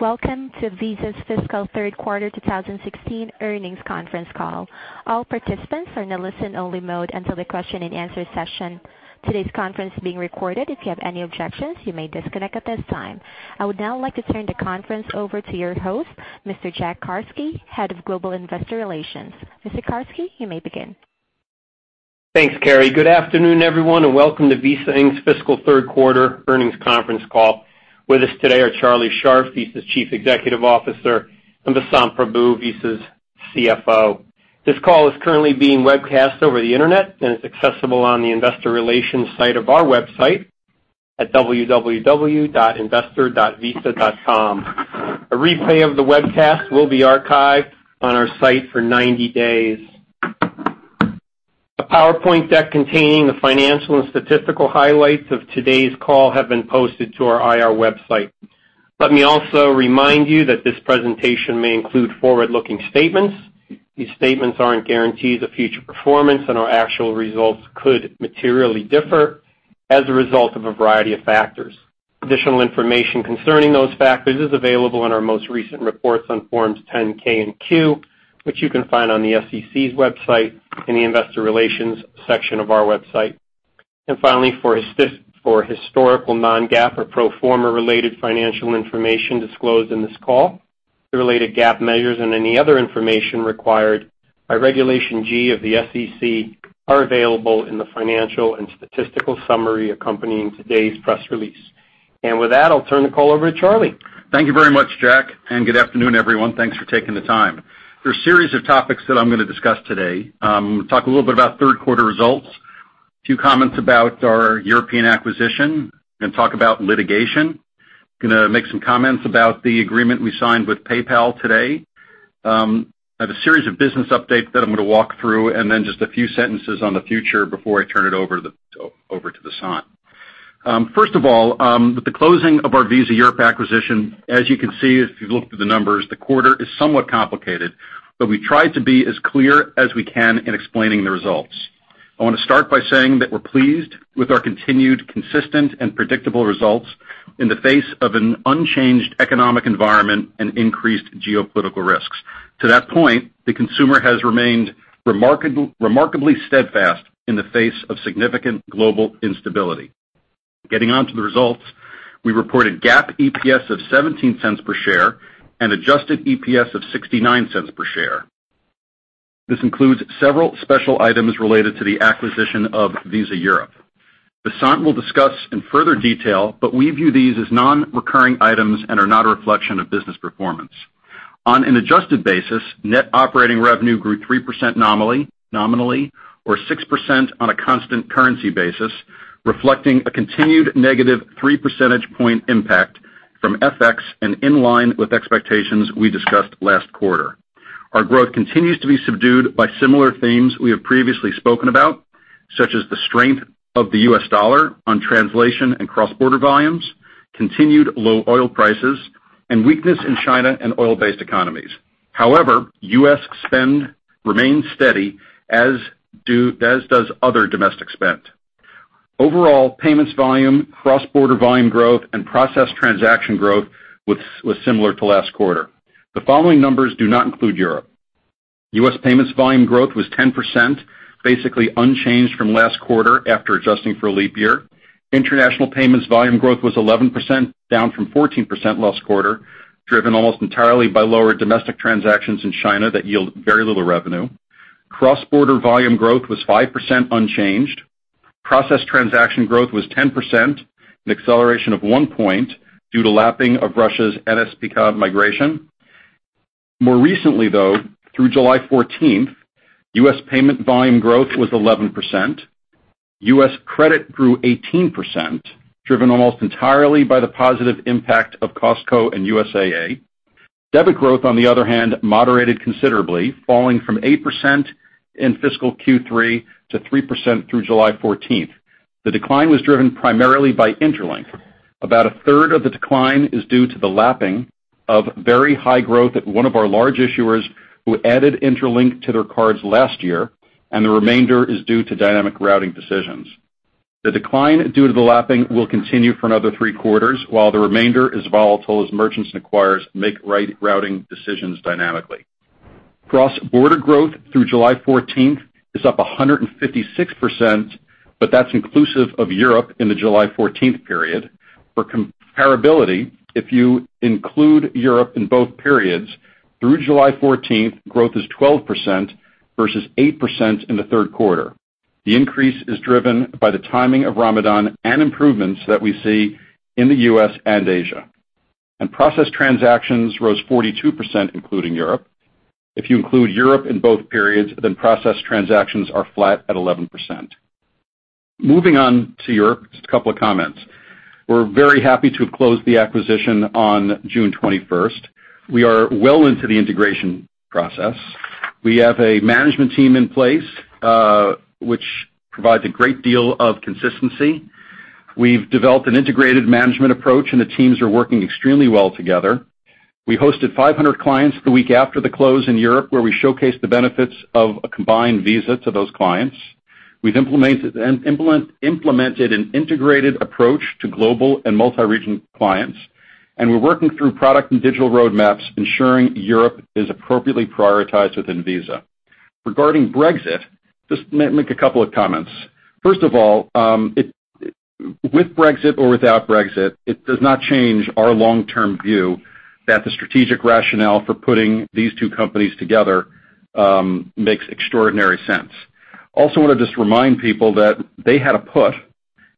Welcome to Visa's fiscal third quarter 2016 earnings conference call. All participants are in a listen-only mode until the question and answer session. Today's conference is being recorded. If you have any objections, you may disconnect at this time. I would now like to turn the conference over to your host, Mr. Jack Carsky, Head of Global Investor Relations. Mr. Carsky, you may begin. Thanks, Carrie. Good afternoon, everyone, welcome to Visa Inc.'s fiscal third quarter earnings conference call. With us today are Charlie Scharf, Visa's Chief Executive Officer, and Vasant Prabhu, Visa's CFO. This call is currently being webcast over the internet and is accessible on the investor relations site of our website at www.investor.visa.com. A replay of the webcast will be archived on our site for 90 days. A PowerPoint deck containing the financial and statistical highlights of today's call have been posted to our IR website. Let me also remind you that this presentation may include forward-looking statements. These statements aren't guarantees of future performance, our actual results could materially differ as a result of a variety of factors. Additional information concerning those factors is available in our most recent reports on Forms 10-K and Q, which you can find on the SEC's website in the investor relations section of our website. Finally, for historical non-GAAP or pro forma related financial information disclosed in this call, the related GAAP measures and any other information required by Regulation G of the SEC are available in the financial and statistical summary accompanying today's press release. With that, I'll turn the call over to Charlie. Thank you very much, Jack, good afternoon, everyone. Thanks for taking the time. There are a series of topics that I'm going to discuss today. I'm going to talk a little bit about third quarter results, a few comments about our European acquisition, going to talk about litigation. Going to make some comments about the agreement we signed with PayPal today. I have a series of business updates that I'm going to walk through, then just a few sentences on the future before I turn it over to Vasant. First of all, with the closing of our Visa Europe acquisition, as you can see, if you look through the numbers, the quarter is somewhat complicated, we tried to be as clear as we can in explaining the results. I want to start by saying that we're pleased with our continued consistent and predictable results in the face of an unchanged economic environment and increased geopolitical risks. To that point, the consumer has remained remarkably steadfast in the face of significant global instability. Getting on to the results, we reported GAAP EPS of $0.17 per share and adjusted EPS of $0.69 per share. This includes several special items related to the acquisition of Visa Europe. Vasant will discuss in further detail, we view these as non-recurring items and are not a reflection of business performance. On an adjusted basis, net operating revenue grew 3% nominally, or 6% on a constant currency basis, reflecting a continued negative 3 percentage point impact from FX and in line with expectations we discussed last quarter. Our growth continues to be subdued by similar themes we have previously spoken about, such as the strength of the U.S. dollar on translation and cross-border volumes, continued low oil prices, and weakness in China and oil-based economies. U.S. spend remains steady, as does other domestic spend. Overall, payments volume, cross-border volume growth, and process transaction growth was similar to last quarter. The following numbers do not include Europe. U.S. payments volume growth was 10%, basically unchanged from last quarter after adjusting for a leap year. International payments volume growth was 11%, down from 14% last quarter, driven almost entirely by lower domestic transactions in China that yield very little revenue. Cross-border volume growth was 5% unchanged. Processed transaction growth was 10%, an acceleration of one point due to lapping of Russia's NSPK card migration. More recently, though, through July 14th, U.S. payment volume growth was 11%. U.S. credit grew 18%, driven almost entirely by the positive impact of Costco and USAA. Debit growth, on the other hand, moderated considerably, falling from 8% in fiscal Q3 to 3% through July 14th. The decline was driven primarily by Interlink. About a third of the decline is due to the lapping of very high growth at one of our large issuers who added Interlink to their cards last year, and the remainder is due to dynamic routing decisions. The decline due to the lapping will continue for another three quarters, while the remainder is volatile as merchants and acquirers make routing decisions dynamically. Cross-border growth through July 14th is up 156%, that's inclusive of Europe in the July 14th period. For comparability, if you include Europe in both periods, through July 14th, growth is 12% versus 8% in the third quarter. The increase is driven by the timing of Ramadan and improvements that we see in the U.S. and Asia. Processed transactions rose 42%, including Europe. If you include Europe in both periods, processed transactions are flat at 11%. Moving on to Europe, just a couple of comments. We're very happy to have closed the acquisition on June 21st. We are well into the integration process. We have a management team in place, which provides a great deal of consistency. We've developed an integrated management approach, and the teams are working extremely well together. We hosted 500 clients the week after the close in Europe, where we showcased the benefits of a combined Visa to those clients. We've implemented an integrated approach to global and multi-region clients, and we're working through product and digital roadmaps ensuring Europe is appropriately prioritized within Visa. Regarding Brexit, just make a couple of comments. First of all, with Brexit or without Brexit, it does not change our long-term view that the strategic rationale for putting these two companies together makes extraordinary sense. Also want to just remind people that they had a put,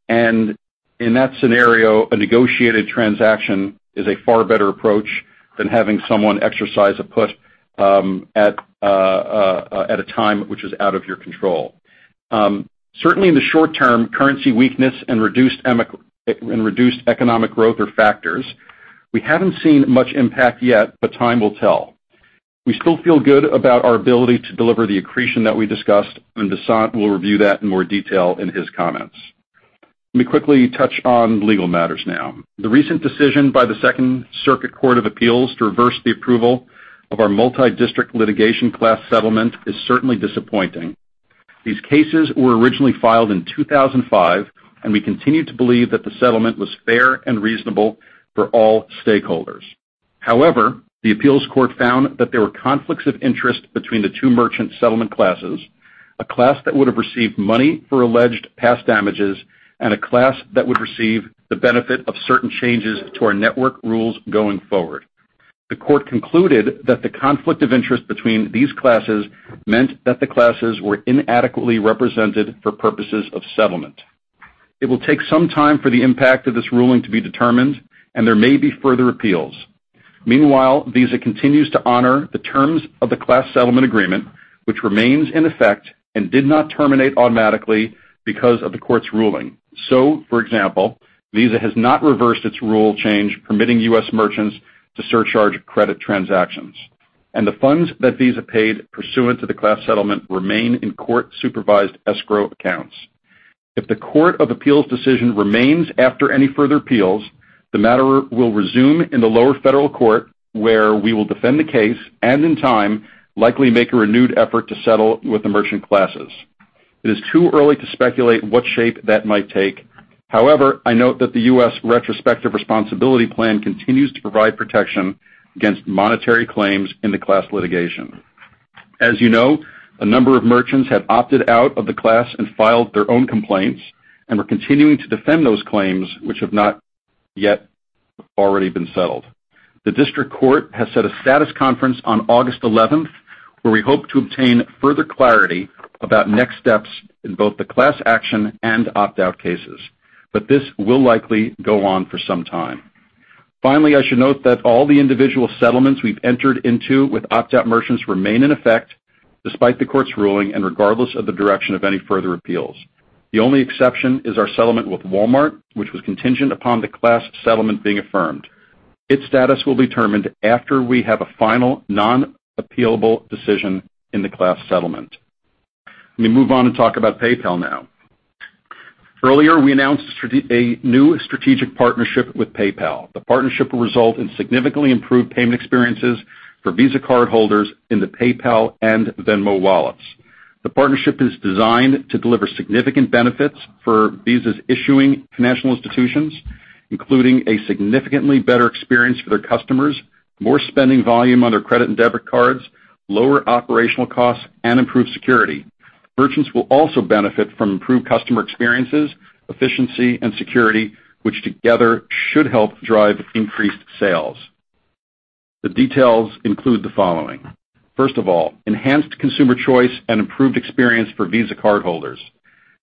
and in that scenario, a negotiated transaction is a far better approach than having someone exercise a put at a time which is out of your control. Certainly, in the short term, currency weakness and reduced economic growth are factors. We haven't seen much impact yet, but time will tell. We still feel good about our ability to deliver the accretion that we discussed, Vasant will review that in more detail in his comments. Let me quickly touch on legal matters now. The recent decision by the United States Court of Appeals for the Second Circuit to reverse the approval of our multi-district litigation class settlement is certainly disappointing. These cases were originally filed in 2005, we continue to believe that the settlement was fair and reasonable for all stakeholders. However, the appeals court found that there were conflicts of interest between the two merchant settlement classes, a class that would have received money for alleged past damages and a class that would receive the benefit of certain changes to our network rules going forward. The court concluded that the conflict of interest between these classes meant that the classes were inadequately represented for purposes of settlement. It will take some time for the impact of this ruling to be determined, there may be further appeals. Meanwhile, Visa continues to honor the terms of the class settlement agreement, which remains in effect and did not terminate automatically because of the court's ruling. For example, Visa has not reversed its rule change permitting U.S. merchants to surcharge credit transactions. The funds that Visa paid pursuant to the class settlement remain in court-supervised escrow accounts. If the Court of Appeals decision remains after any further appeals, the matter will resume in the lower federal court, where we will defend the case and, in time, likely make a renewed effort to settle with the merchant classes. It is too early to speculate what shape that might take. However, I note that the U.S. retrospective responsibility plan continues to provide protection against monetary claims in the class litigation. As you know, a number of merchants have opted out of the class and filed their own complaints, we're continuing to defend those claims, which have not yet already been settled. The district court has set a status conference on August 11th, where we hope to obtain further clarity about next steps in both the class action and opt-out cases. This will likely go on for some time. Finally, I should note that all the individual settlements we've entered into with opt-out merchants remain in effect despite the court's ruling and regardless of the direction of any further appeals. The only exception is our settlement with Walmart, which was contingent upon the class settlement being affirmed. Its status will be determined after we have a final, non-appealable decision in the class settlement. Let me move on and talk about PayPal now. Earlier, we announced a new strategic partnership with PayPal. The partnership will result in significantly improved payment experiences for Visa cardholders in the PayPal and Venmo wallets. The partnership is designed to deliver significant benefits for Visa's issuing financial institutions, including a significantly better experience for their customers, more spending volume on their credit and debit cards, lower operational costs, and improved security. Merchants will also benefit from improved customer experiences, efficiency, and security, which together should help drive increased sales. The details include the following. First of all, enhanced consumer choice and improved experience for Visa cardholders.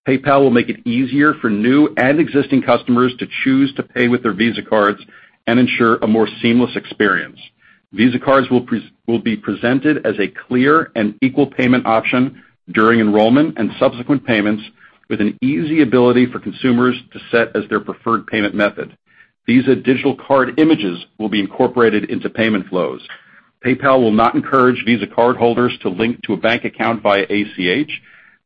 PayPal will make it easier for new and existing customers to choose to pay with their Visa cards and ensure a more seamless experience. Visa cards will be presented as a clear and equal payment option during enrollment and subsequent payments, with an easy ability for consumers to set as their preferred payment method. Visa digital card images will be incorporated into payment flows. PayPal will not encourage Visa cardholders to link to a bank account via ACH.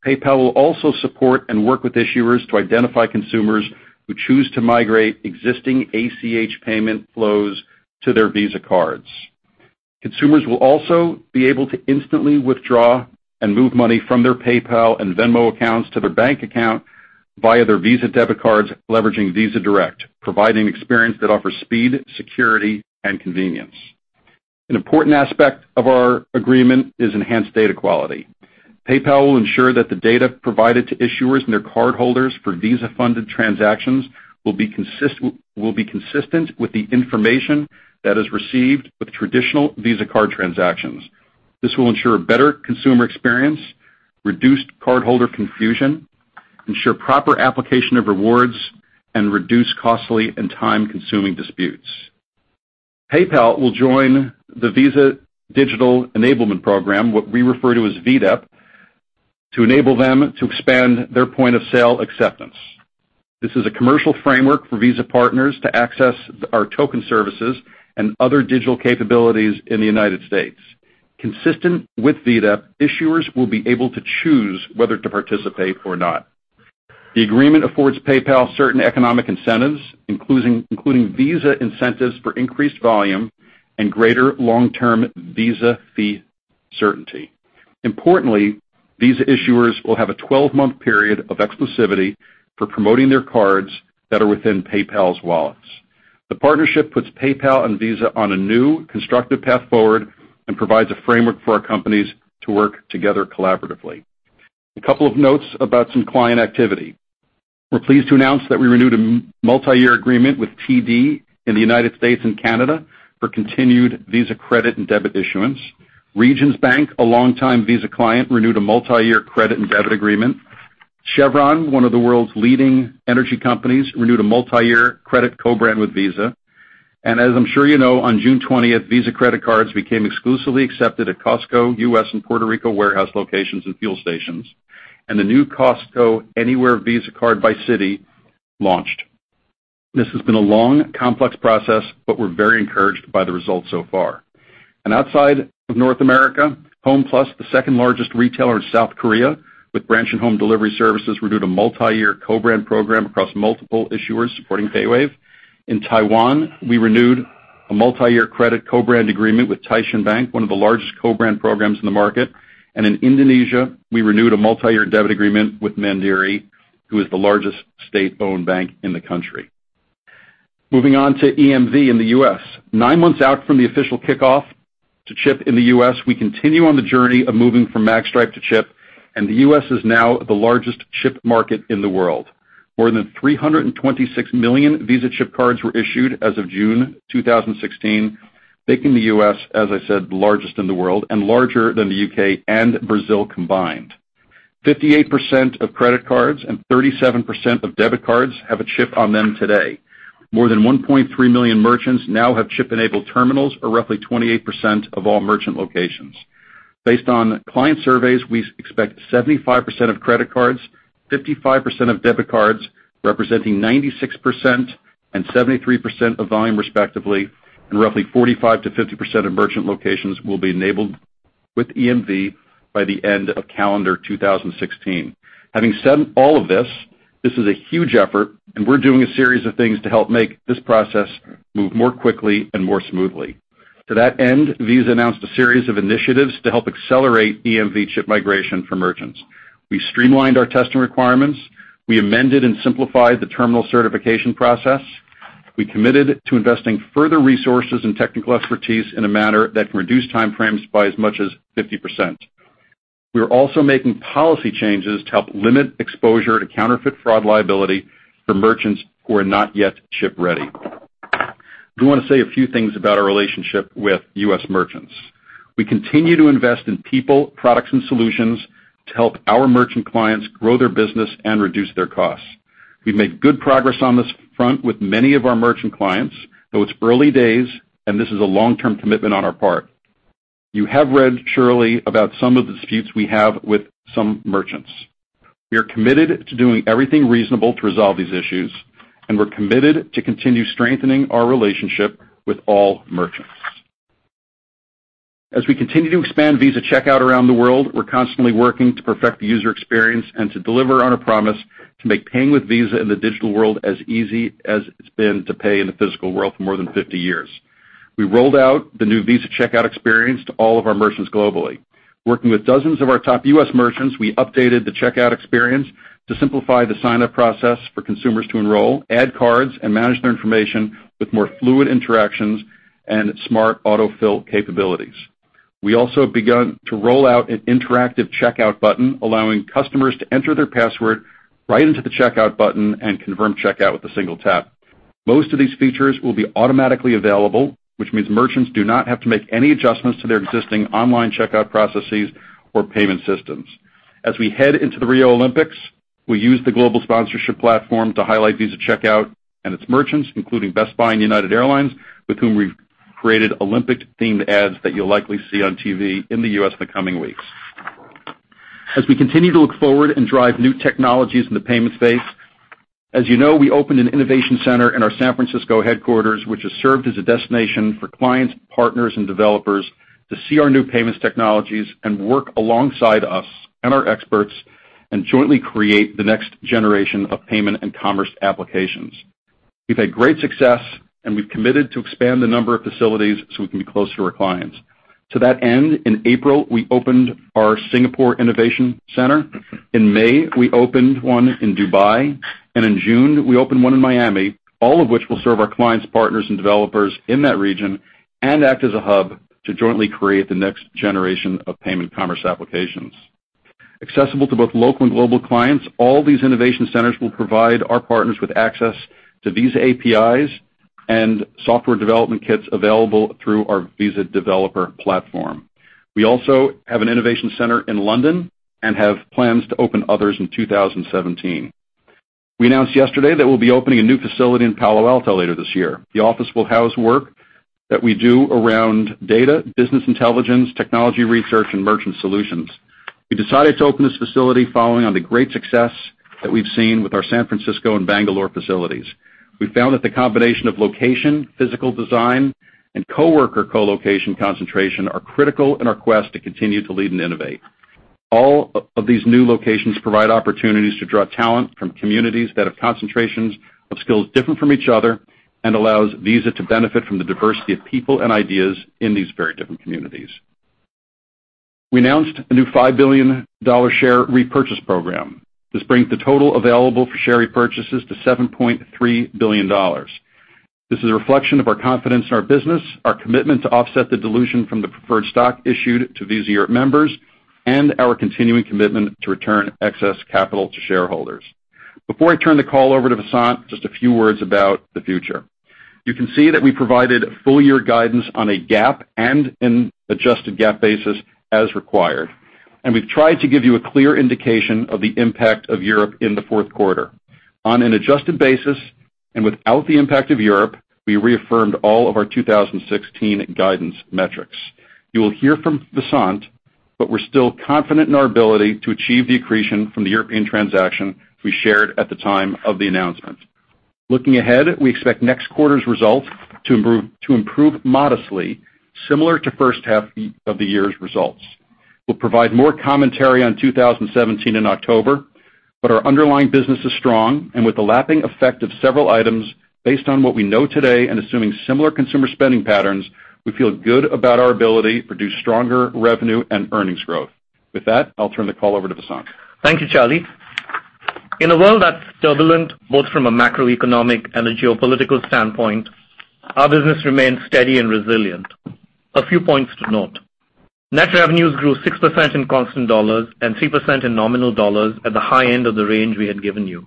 PayPal will also support and work with issuers to identify consumers who choose to migrate existing ACH payment flows to their Visa cards. Consumers will also be able to instantly withdraw and move money from their PayPal and Venmo accounts to their bank account via their Visa debit cards, leveraging Visa Direct, providing experience that offers speed, security, and convenience. An important aspect of our agreement is enhanced data quality. PayPal will ensure that the data provided to issuers and their cardholders for Visa-funded transactions will be consistent with the information that is received with traditional Visa card transactions. This will ensure a better consumer experience, reduced cardholder confusion, ensure proper application of rewards, and reduce costly and time-consuming disputes. PayPal will join the Visa Digital Enablement Program, what we refer to as VDEP, to enable them to expand their point-of-sale acceptance. This is a commercial framework for Visa partners to access our token services and other digital capabilities in the U.S. Consistent with VDEP, issuers will be able to choose whether to participate or not. The agreement affords PayPal certain economic incentives, including Visa incentives for increased volume and greater long-term Visa fee certainty. Importantly, Visa issuers will have a 12-month period of exclusivity for promoting their cards that are within PayPal's wallets. The partnership puts PayPal and Visa on a new constructive path forward and provides a framework for our companies to work together collaboratively. A couple of notes about some client activity. We're pleased to announce that we renewed a multi-year agreement with TD in the U.S. and Canada for continued Visa credit and debit issuance. Regions Bank, a longtime Visa client, renewed a multi-year credit and debit agreement. Chevron, one of the world's leading energy companies, renewed a multi-year credit co-brand with Visa. As I'm sure you know, on June 20th, Visa credit cards became exclusively accepted at Costco, U.S. and Puerto Rico warehouse locations and fuel stations, and the new Costco Anywhere Visa Card by Citi launched. This has been a long, complex process. We're very encouraged by the results so far. Outside of North America, Homeplus, the second largest retailer in South Korea with branch and home delivery services, renewed a multi-year co-brand program across multiple issuers supporting Visa payWave. In Taiwan, we renewed a multi-year credit co-brand agreement with Taishin Bank, one of the largest co-brand programs in the market. In Indonesia, we renewed a multi-year debit agreement with Mandiri, who is the largest state-owned bank in the country. Moving on to EMV in the U.S. Nine months out from the official kickoff to chip in the U.S., we continue on the journey of moving from magstripe to chip, and the U.S. is now the largest chip market in the world. More than 326 million Visa chip cards were issued as of June 2016, making the U.S., as I said, the largest in the world and larger than the U.K. and Brazil combined. 58% of credit cards and 37% of debit cards have a chip on them today. More than 1.3 million merchants now have chip-enabled terminals, or roughly 28% of all merchant locations. Based on client surveys, we expect 75% of credit cards, 55% of debit cards, representing 96% and 73% of volume, respectively, and roughly 45%-50% of merchant locations will be enabled with EMV by the end of calendar 2016. Having said all of this is a huge effort and we're doing a series of things to help make this process move more quickly and more smoothly. To that end, Visa announced a series of initiatives to help accelerate EMV chip migration for merchants. We streamlined our testing requirements. We amended and simplified the terminal certification process. We committed to investing further resources and technical expertise in a manner that can reduce time frames by as much as 50%. We are also making policy changes to help limit exposure to counterfeit fraud liability for merchants who are not yet chip ready. We want to say a few things about our relationship with U.S. merchants. We continue to invest in people, products, and solutions to help our merchant clients grow their business and reduce their costs. We've made good progress on this front with many of our merchant clients, though it's early days and this is a long-term commitment on our part. You have read, surely, about some of the disputes we have with some merchants. We are committed to doing everything reasonable to resolve these issues, and we're committed to continue strengthening our relationship with all merchants. As we continue to expand Visa Checkout around the world, we're constantly working to perfect the user experience and to deliver on our promise to make paying with Visa in the digital world as easy as it's been to pay in the physical world for more than 50 years. We rolled out the new Visa Checkout experience to all of our merchants globally. Working with dozens of our top U.S. merchants, we updated the checkout experience to simplify the sign-up process for consumers to enroll, add cards, and manage their information with more fluid interactions and smart autofill capabilities. We also have begun to roll out an interactive checkout button, allowing customers to enter their password right into the checkout button and confirm checkout with a single tap. Most of these features will be automatically available, which means merchants do not have to make any adjustments to their existing online checkout processes or payment systems. As we head into the Rio Olympics, we use the global sponsorship platform to highlight Visa Checkout and its merchants, including Best Buy and United Airlines, with whom we've created Olympic-themed ads that you'll likely see on TV in the U.S. in the coming weeks. As we continue to look forward and drive new technologies in the payment space, as you know, we opened an innovation center in our San Francisco headquarters, which has served as a destination for clients, partners, and developers to see our new payments technologies and work alongside us and our experts and jointly create the next generation of payment and commerce applications. We've had great success. We've committed to expand the number of facilities so we can be closer to our clients. To that end, in April, we opened our Singapore Innovation Center. In May, we opened one in Dubai. In June, we opened one in Miami, all of which will serve our clients, partners, and developers in that region and act as a hub to jointly create the next generation of payment commerce applications. Accessible to both local and global clients, all these innovation centers will provide our partners with access to Visa APIs and software development kits available through our Visa Developer platform. We also have an innovation center in London and have plans to open others in 2017. We announced yesterday that we'll be opening a new facility in Palo Alto later this year. The office will house work that we do around data, business intelligence, technology research, and merchant solutions. We decided to open this facility following on the great success that we've seen with our San Francisco and Bangalore facilities. We found that the combination of location, physical design, and coworker co-location concentration are critical in our quest to continue to lead and innovate. All of these new locations provide opportunities to draw talent from communities that have concentrations of skills different from each other and allows Visa to benefit from the diversity of people and ideas in these very different communities. We announced a new $5 billion share repurchase program. This brings the total available for share repurchases to $7.3 billion. This is a reflection of our confidence in our business, our commitment to offset the dilution from the preferred stock issued to Visa Europe members, and our continuing commitment to return excess capital to shareholders. Before I turn the call over to Vasant, just a few words about the future. You can see that we provided full-year guidance on a GAAP and an adjusted GAAP basis as required. We've tried to give you a clear indication of the impact of Europe in the fourth quarter. On an adjusted basis and without the impact of Europe, we reaffirmed all of our 2016 guidance metrics. You will hear from Vasant. We're still confident in our ability to achieve the accretion from the European transaction we shared at the time of the announcement. Looking ahead, we expect next quarter's results to improve modestly, similar to first half of the year's results. We'll provide more commentary on 2017 in October, our underlying business is strong, with the lapping effect of several items, based on what we know today and assuming similar consumer spending patterns, we feel good about our ability to produce stronger revenue and earnings growth. With that, I'll turn the call over to Vasant. Thank you, Charlie. In a world that's turbulent, both from a macroeconomic and a geopolitical standpoint, our business remains steady and resilient. A few points to note. Net revenues grew 6% in constant dollars and 3% in nominal dollars at the high end of the range we had given you.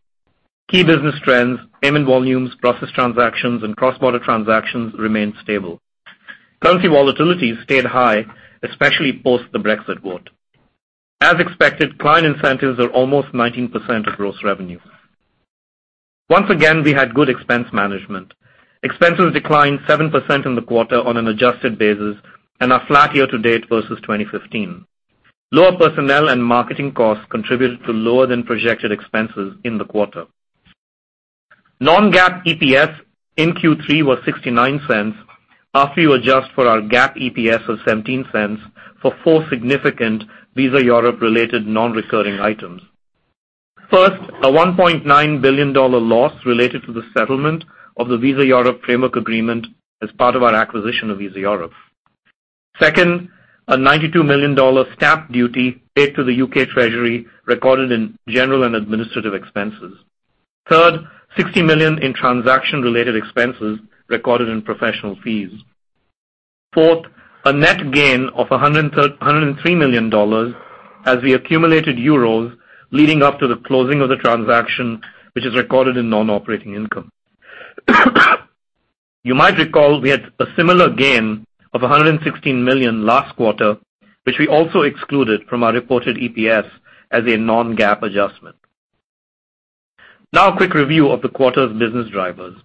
Key business trends, payment volumes, process transactions, and cross-border transactions remained stable. Currency volatility stayed high, especially post the Brexit vote. As expected, client incentives are almost 19% of gross revenue. Once again, we had good expense management. Expenses declined 7% in the quarter on an adjusted basis and are flat year-to-date versus 2015. Lower personnel and marketing costs contributed to lower than projected expenses in the quarter. Non-GAAP EPS in Q3 was $0.69 after you adjust for our GAAP EPS of $0.17 for four significant Visa Europe-related non-recurring items. First, a $1.9 billion loss related to the settlement of the Visa Europe Framework Agreement as part of our acquisition of Visa Europe. Second, a $92 million stamp duty paid to the HM Treasury recorded in general and administrative expenses. Third, $60 million in transaction-related expenses recorded in professional fees. Fourth, a net gain of $103 million as we accumulated EUR leading up to the closing of the transaction, which is recorded in non-operating income. You might recall we had a similar gain of $116 million last quarter, which we also excluded from our reported EPS as a non-GAAP adjustment. Now a quick review of the quarter's business drivers.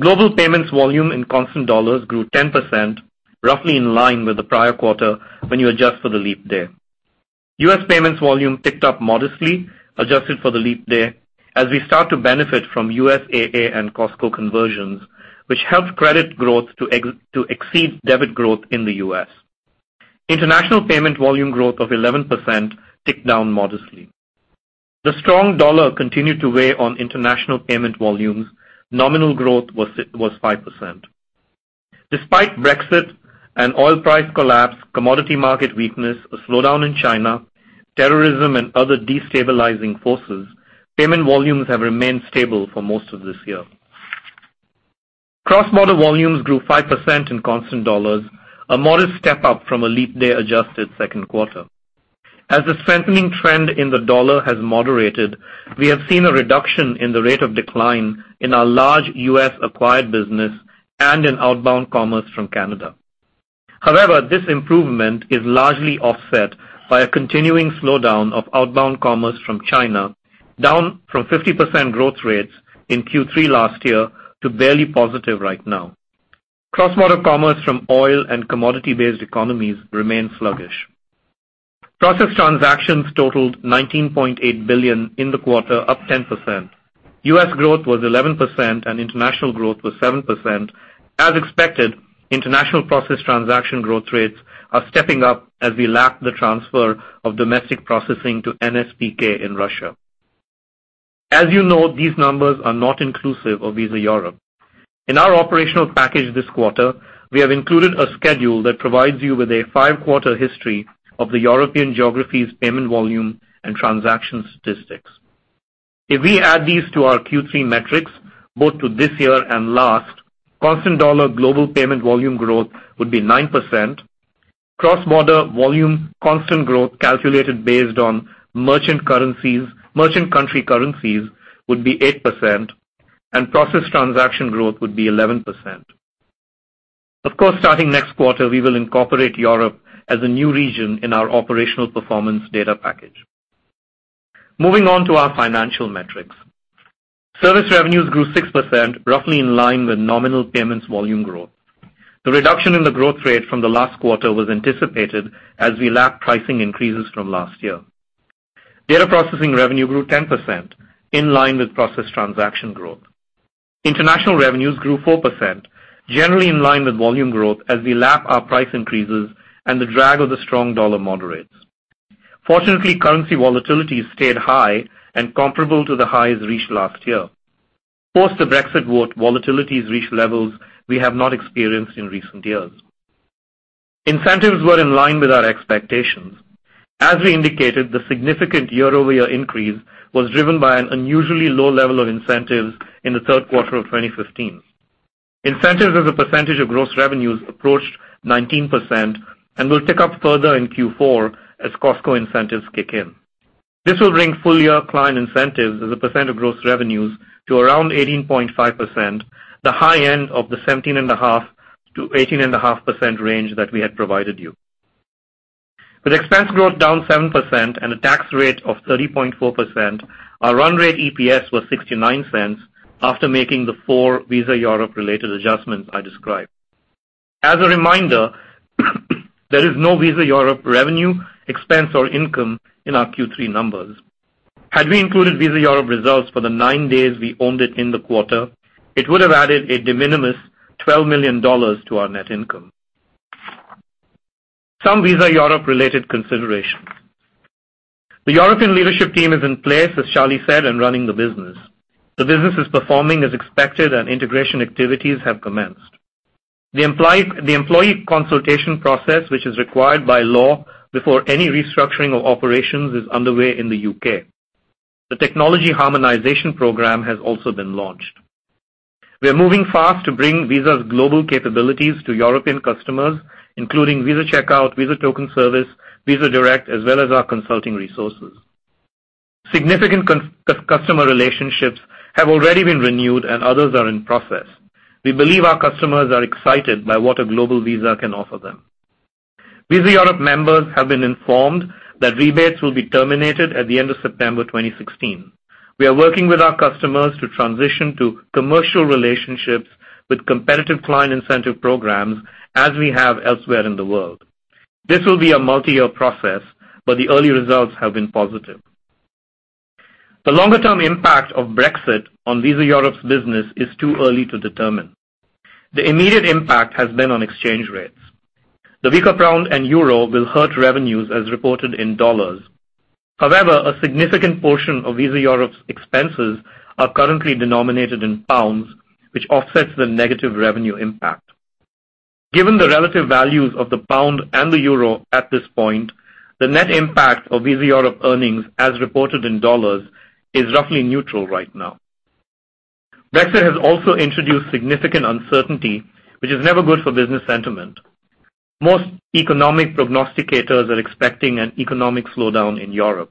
Global payments volume in constant dollars grew 10%, roughly in line with the prior quarter when you adjust for the leap day. U.S. payments volume picked up modestly, adjusted for the leap day, as we start to benefit from USAA and Costco conversions, which helped credit growth to exceed debit growth in the U.S. International payment volume growth of 11% ticked down modestly. The strong dollar continued to weigh on international payment volumes. Nominal growth was 5%. Despite Brexit and oil price collapse, commodity market weakness, a slowdown in China, terrorism, and other destabilizing forces, payment volumes have remained stable for most of this year. Cross-border volumes grew 5% in constant dollars, a modest step-up from a leap day-adjusted second quarter. As the strengthening trend in the dollar has moderated, we have seen a reduction in the rate of decline in our large U.S. acquired business and in outbound commerce from Canada. However, this improvement is largely offset by a continuing slowdown of outbound commerce from China, down from 50% growth rates in Q3 last year to barely positive right now. Cross-border commerce from oil and commodity-based economies remain sluggish. Processed transactions totaled $19.8 billion in the quarter, up 10%. U.S. growth was 11% and international growth was 7%. As expected, international process transaction growth rates are stepping up as we lap the transfer of domestic processing to NSPK in Russia. As you know, these numbers are not inclusive of Visa Europe. In our operational package this quarter, we have included a schedule that provides you with a five-quarter history of the European geography's payment volume and transaction statistics. If we add these to our Q3 metrics, both to this year and last, constant dollar global payment volume growth would be 9%, cross-border volume constant growth calculated based on merchant country currencies would be 8%, and processed transaction growth would be 11%. Of course, starting next quarter, we will incorporate Europe as a new region in our operational performance data package. Moving on to our financial metrics. Service revenues grew 6%, roughly in line with nominal payments volume growth. The reduction in the growth rate from the last quarter was anticipated as we lap pricing increases from last year. Data processing revenue grew 10%, in line with processed transaction growth. International revenues grew 4%, generally in line with volume growth as we lap our price increases and the drag of the strong dollar moderates. Fortunately, currency volatility stayed high and comparable to the highs reached last year. Post the Brexit vote, volatility has reached levels we have not experienced in recent years. Incentives were in line with our expectations. As we indicated, the significant year-over-year increase was driven by an unusually low level of incentives in the third quarter of 2015. Incentives as a percentage of gross revenues approached 19% and will tick up further in Q4 as Costco incentives kick in. This will bring full-year client incentives as a percent of gross revenues to around 18.5%, the high end of the 17.5%-18.5% range that we had provided you. With expense growth down 7% and a tax rate of 30.4%, our run rate EPS was $0.69 after making the four Visa Europe related adjustments I described. As a reminder, there is no Visa Europe revenue, expense, or income in our Q3 numbers. Had we included Visa Europe results for the nine days we owned it in the quarter, it would have added a de minimis $12 million to our net income. Some Visa Europe related considerations. The European leadership team is in place, as Charlie said, and running the business. The business is performing as expected and integration activities have commenced. The employee consultation process, which is required by law before any restructuring of operations, is underway in the U.K. The technology harmonization program has also been launched. We are moving fast to bring Visa's global capabilities to European customers, including Visa Checkout, Visa Token Service, Visa Direct, as well as our consulting resources. Significant customer relationships have already been renewed and others are in process. We believe our customers are excited by what a global Visa can offer them. Visa Europe members have been informed that rebates will be terminated at the end of September 2016. We are working with our customers to transition to commercial relationships with competitive client incentive programs as we have elsewhere in the world. This will be a multi-year process, but the early results have been positive. The longer-term impact of Brexit on Visa Europe's business is too early to determine. The immediate impact has been on exchange rates. The weaker GBP and EUR will hurt revenues as reported in USD. However, a significant portion of Visa Europe's expenses are currently denominated in GBP, which offsets the negative revenue impact. Given the relative values of the GBP and the EUR at this point, the net impact of Visa Europe earnings as reported in USD is roughly neutral right now. Brexit has also introduced significant uncertainty, which is never good for business sentiment. Most economic prognosticators are expecting an economic slowdown in Europe.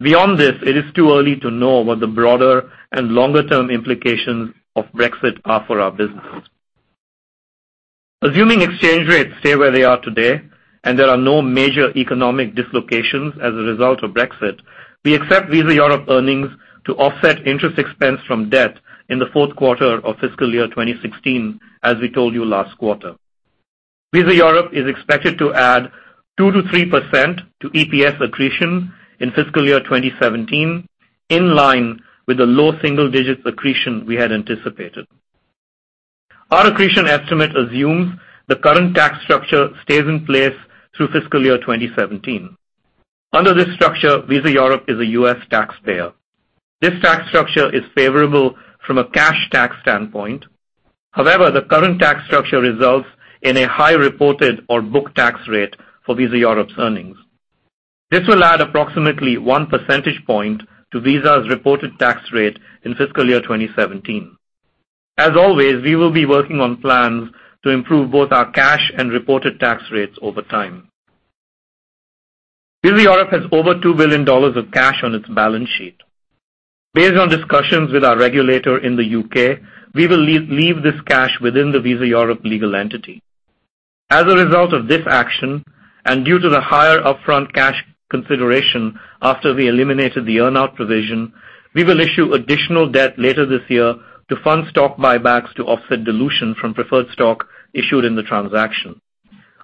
Beyond this, it is too early to know what the broader and longer-term implications of Brexit are for our businesses. Assuming exchange rates stay where they are today and there are no major economic dislocations as a result of Brexit, we expect Visa Europe earnings to offset interest expense from debt in the fourth quarter of FY 2016, as we told you last quarter. Visa Europe is expected to add 2%-3% to EPS accretion in FY 2017, in line with the low single-digit accretion we had anticipated. Our accretion estimate assumes the current tax structure stays in place through FY 2017. Under this structure, Visa Europe is a U.S. taxpayer. This tax structure is favorable from a cash tax standpoint. However, the current tax structure results in a high reported or book tax rate for Visa Europe's earnings. This will add approximately 1 percentage point to Visa's reported tax rate in FY 2017. As always, we will be working on plans to improve both our cash and reported tax rates over time. Visa Europe has over $2 billion of cash on its balance sheet. Based on discussions with our regulator in the U.K., we will leave this cash within the Visa Europe legal entity. As a result of this action, and due to the higher upfront cash consideration after we eliminated the earn out provision, we will issue additional debt later this year to fund stock buybacks to offset dilution from preferred stock issued in the transaction.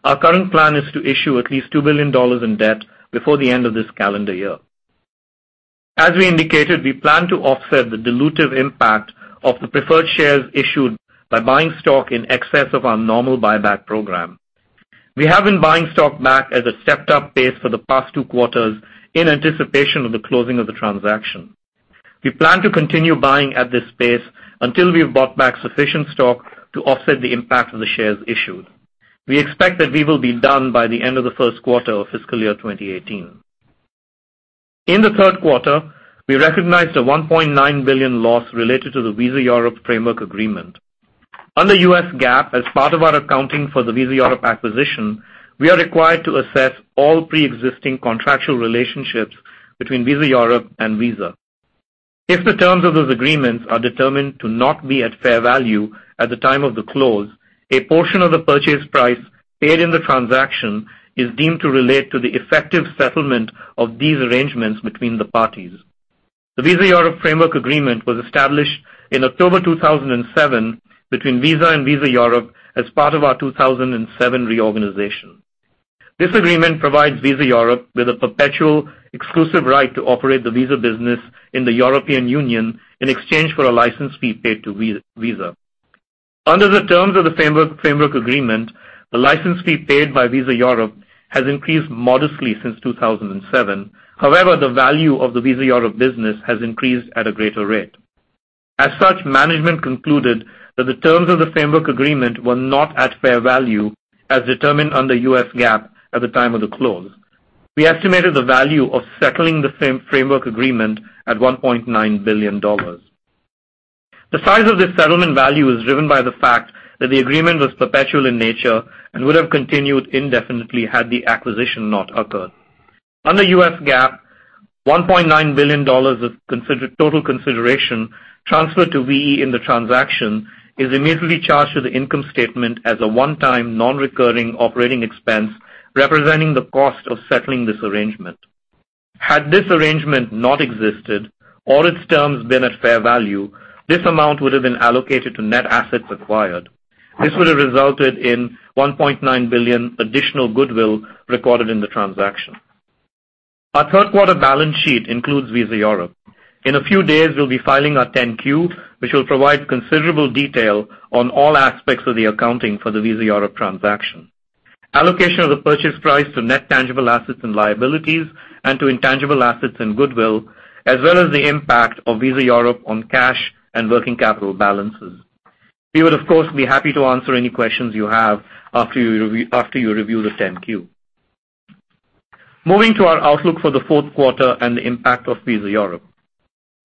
Our current plan is to issue at least $2 billion in debt before the end of this calendar year. As we indicated, we plan to offset the dilutive impact of the preferred shares issued by buying stock in excess of our normal buyback program. We have been buying stock back at a stepped-up pace for the past 2 quarters in anticipation of the closing of the transaction. We plan to continue buying at this pace until we have bought back sufficient stock to offset the impact of the shares issued. We expect that we will be done by the end of the 1st quarter of FY 2018. In the third quarter, we recognized a $1.9 billion loss related to the Visa Europe Framework Agreement. Under U.S. GAAP, as part of our accounting for the Visa Europe acquisition, we are required to assess all preexisting contractual relationships between Visa Europe and Visa. If the terms of those agreements are determined to not be at fair value at the time of the close, a portion of the purchase price paid in the transaction is deemed to relate to the effective settlement of these arrangements between the parties. The Visa Europe Framework Agreement was established in October 2007 between Visa and Visa Europe as part of our 2007 reorganization. This agreement provides Visa Europe with a perpetual exclusive right to operate the Visa business in the European Union in exchange for a license fee paid to Visa. Under the terms of the Framework Agreement, the license fee paid by Visa Europe has increased modestly since 2007. However, the value of the Visa Europe business has increased at a greater rate. As such, management concluded that the terms of the Framework Agreement were not at fair value as determined under US GAAP at the time of the close. We estimated the value of settling the Framework Agreement at $1.9 billion. The size of this settlement value is driven by the fact that the agreement was perpetual in nature and would have continued indefinitely had the acquisition not occurred. Under US GAAP, $1.9 billion of total consideration transferred to VE in the transaction is immediately charged to the income statement as a one-time, non-recurring operating expense representing the cost of settling this arrangement. Had this arrangement not existed or its terms been at fair value, this amount would have been allocated to net assets acquired. This would have resulted in $1.9 billion additional goodwill recorded in the transaction. Our third-quarter balance sheet includes Visa Europe. In a few days, we'll be filing our 10-Q, which will provide considerable detail on all aspects of the accounting for the Visa Europe transaction. Allocation of the purchase price to net tangible assets and liabilities and to intangible assets and goodwill, as well as the impact of Visa Europe on cash and working capital balances. We would, of course, be happy to answer any questions you have after you review the 10-Q. Moving to our outlook for the fourth quarter and the impact of Visa Europe.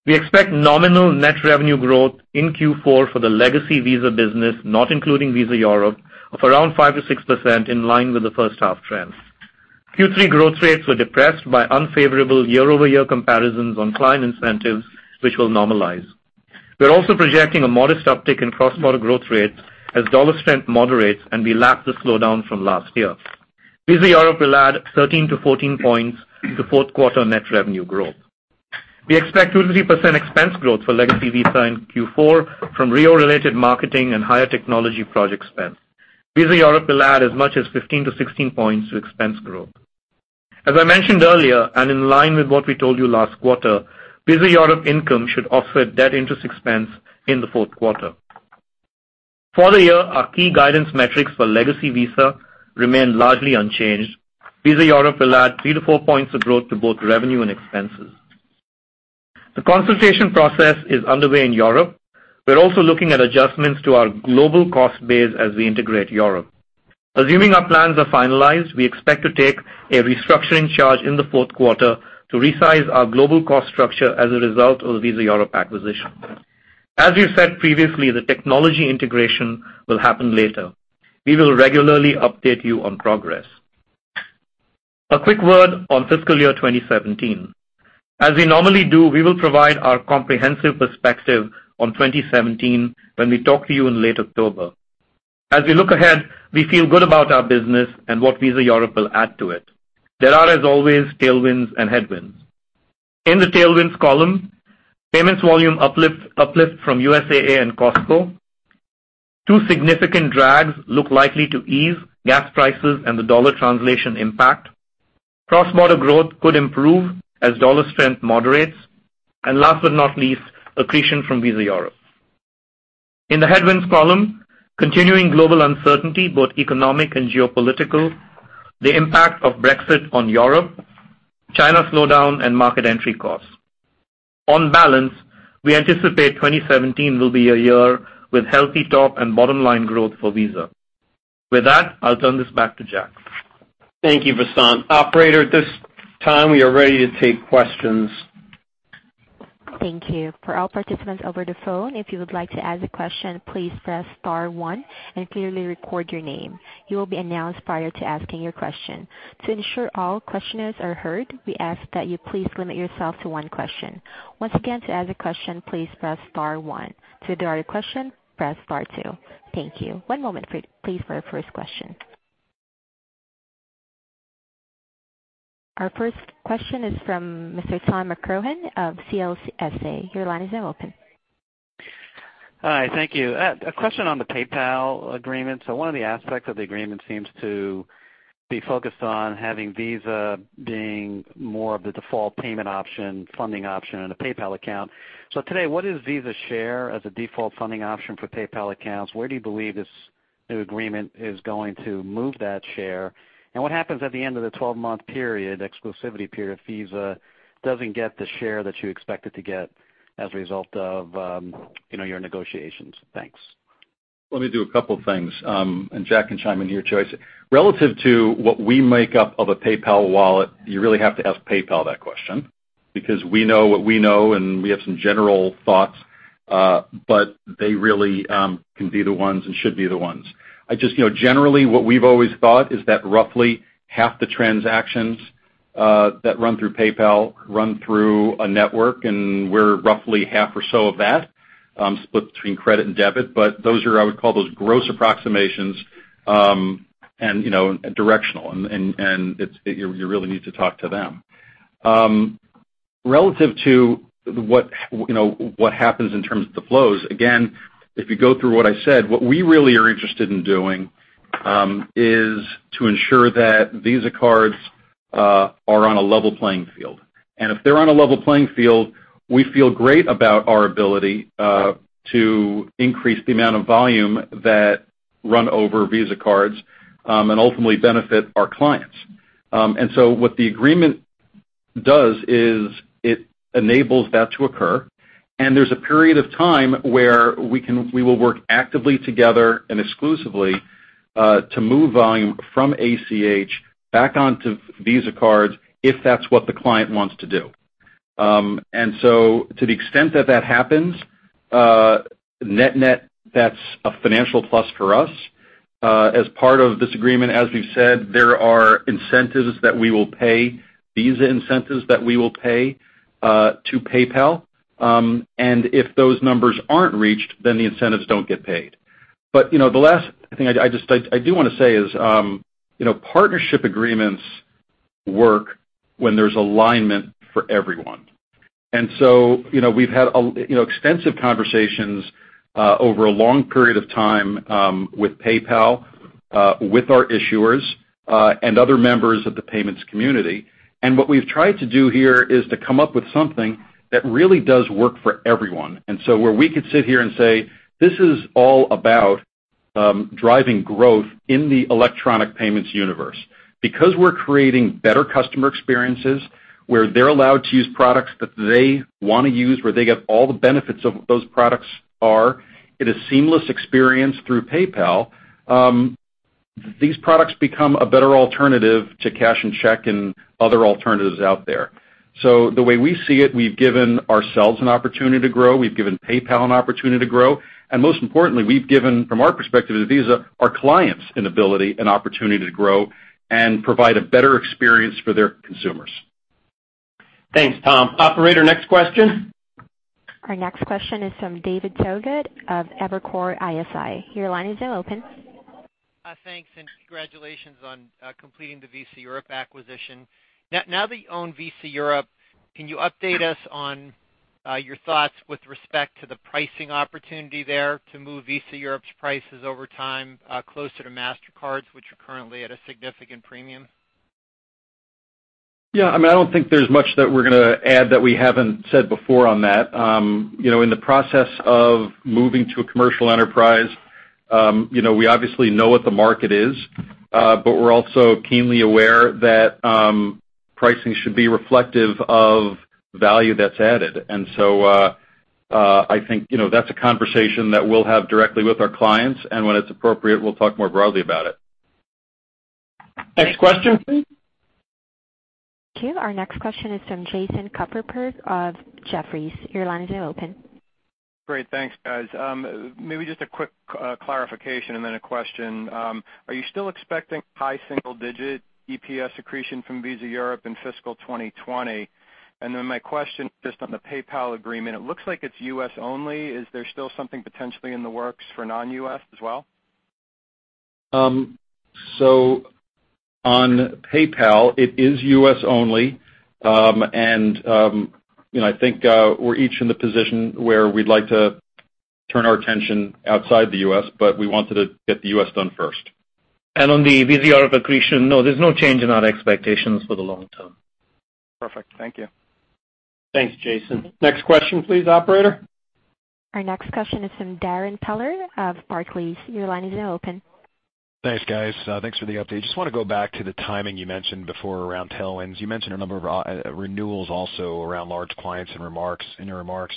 We expect nominal net revenue growth in Q4 for the legacy Visa business, not including Visa Europe, of around 5%-6% in line with the first half trends. Q3 growth rates were depressed by unfavorable year-over-year comparisons on client incentives, which will normalize. We're also projecting a modest uptick in cross-border growth rates as dollar strength moderates and we lap the slowdown from last year. Visa Europe will add 13-14 points to fourth quarter net revenue growth. We expect 2%-3% expense growth for legacy Visa in Q4 from Rio-related marketing and higher technology project spend. Visa Europe will add as much as 15-16 points to expense growth. As I mentioned earlier, and in line with what we told you last quarter, Visa Europe income should offset debt interest expense in the fourth quarter. For the year, our key guidance metrics for legacy Visa remain largely unchanged. Visa Europe will add 3-4 points of growth to both revenue and expenses. The consultation process is underway in Europe. We're also looking at adjustments to our global cost base as we integrate Europe. Assuming our plans are finalized, we expect to take a restructuring charge in the fourth quarter to resize our global cost structure as a result of the Visa Europe acquisition. As we've said previously, the technology integration will happen later. We will regularly update you on progress. A quick word on fiscal year 2017. As we normally do, we will provide our comprehensive perspective on 2017 when we talk to you in late October. As we look ahead, we feel good about our business and what Visa Europe will add to it. There are, as always, tailwinds and headwinds. In the tailwinds column, payments volume uplift from USAA and Costco. Two significant drags look likely to ease gas prices and the dollar translation impact. Cross-border growth could improve as dollar strength moderates. Last but not least, accretion from Visa Europe. In the headwinds column, continuing global uncertainty, both economic and geopolitical, the impact of Brexit on Europe, China slowdown, and market entry costs. On balance, we anticipate 2017 will be a year with healthy top and bottom-line growth for Visa. With that, I'll turn this back to Jack. Thank you, Vasant. Operator, at this time, we are ready to take questions. Thank you. For all participants over the phone, if you would like to ask a question, please press star one and clearly record your name. You will be announced prior to asking your question. To ensure all questioners are heard, we ask that you please limit yourself to one question. Once again, to ask a question, please press star one. To withdraw your question, press star two. Thank you. One moment, please, for our first question. Our first question is from Mr. Thomas McCrohan of CLSA. Your line is now open. Hi, thank you. A question on the PayPal agreement. One of the aspects of the agreement seems to be focused on having Visa being more of the default payment option, funding option on a PayPal account. Today, what is Visa's share as a default funding option for PayPal accounts? Where do you believe this new agreement is going to move that share? What happens at the end of the 12-month period, exclusivity period, if Visa doesn't get the share that you expect it to get as a result of your negotiations? Thanks. Let me do a couple of things, Jack can chime in here [too]. Relative to what we make up of a PayPal wallet, you really have to ask PayPal that question because we know what we know, we have some general thoughts, but they really can be the ones and should be the ones. Generally, what we've always thought is that roughly half the transactions that run through PayPal run through a network, and we're roughly half or so of that. Split between credit and debit, those are, I would call those gross approximations and directional, you really need to talk to them. Relative to what happens in terms of the flows, again, if you go through what I said, what we really are interested in doing is to ensure that Visa cards are on a level playing field. If they're on a level playing field, we feel great about our ability to increase the amount of volume that run over Visa cards, ultimately benefit our clients. What the agreement does is it enables that to occur, there's a period of time where we will work actively together and exclusively, to move volume from ACH back onto Visa cards if that's what the client wants to do. To the extent that that happens, net-net, that's a financial plus for us. As part of this agreement, as we've said, there are incentives that we will pay, Visa incentives that we will pay to PayPal. If those numbers aren't reached, the incentives don't get paid. The last thing I do want to say is partnership agreements work when there's alignment for everyone. We've had extensive conversations over a long period of time with PayPal, with our issuers, other members of the payments community. What we've tried to do here is to come up with something that really does work for everyone. Where we could sit here and say, this is all about driving growth in the electronic payments universe. Because we're creating better customer experiences where they're allowed to use products that they want to use, where they get all the benefits of those products are in a seamless experience through PayPal, these products become a better alternative to cash and check and other alternatives out there. The way we see it, we've given ourselves an opportunity to grow, we've given PayPal an opportunity to grow, and most importantly, we've given, from our perspective as Visa, our clients an ability and opportunity to grow and provide a better experience for their consumers. Thanks, Tom. Operator, next question. Our next question is from David Togut of Evercore ISI. Your line is now open. Thanks, congratulations on completing the Visa Europe acquisition. Now that you own Visa Europe, can you update us on your thoughts with respect to the pricing opportunity there to move Visa Europe's prices over time closer to Mastercard's, which are currently at a significant premium? I don't think there's much that we're going to add that we haven't said before on that. In the process of moving to a commercial enterprise, we obviously know what the market is, but we're also keenly aware that pricing should be reflective of value that's added. I think that's a conversation that we'll have directly with our clients, and when it's appropriate, we'll talk more broadly about it. Next question. Thank you. Our next question is from Jason Kupferberg of Jefferies. Your line is now open. Great. Thanks, guys. Maybe just a quick clarification and then a question. Are you still expecting high single-digit EPS accretion from Visa Europe in fiscal 2020? My question just on the PayPal agreement, it looks like it's U.S. only. Is there still something potentially in the works for non-U.S. as well? On PayPal, it is U.S. only. I think we're each in the position where we'd like to turn our attention outside the U.S., but we wanted to get the U.S. done first. On the Visa Europe accretion, no, there's no change in our expectations for the long term. Perfect. Thank you. Thanks, Jason. Next question please, operator. Our next question is from Darrin Peller of Barclays. Your line is now open. Thanks, guys. Thanks for the update. Just want to go back to the timing you mentioned before around tailwinds. You mentioned a number of renewals also around large clients in your remarks.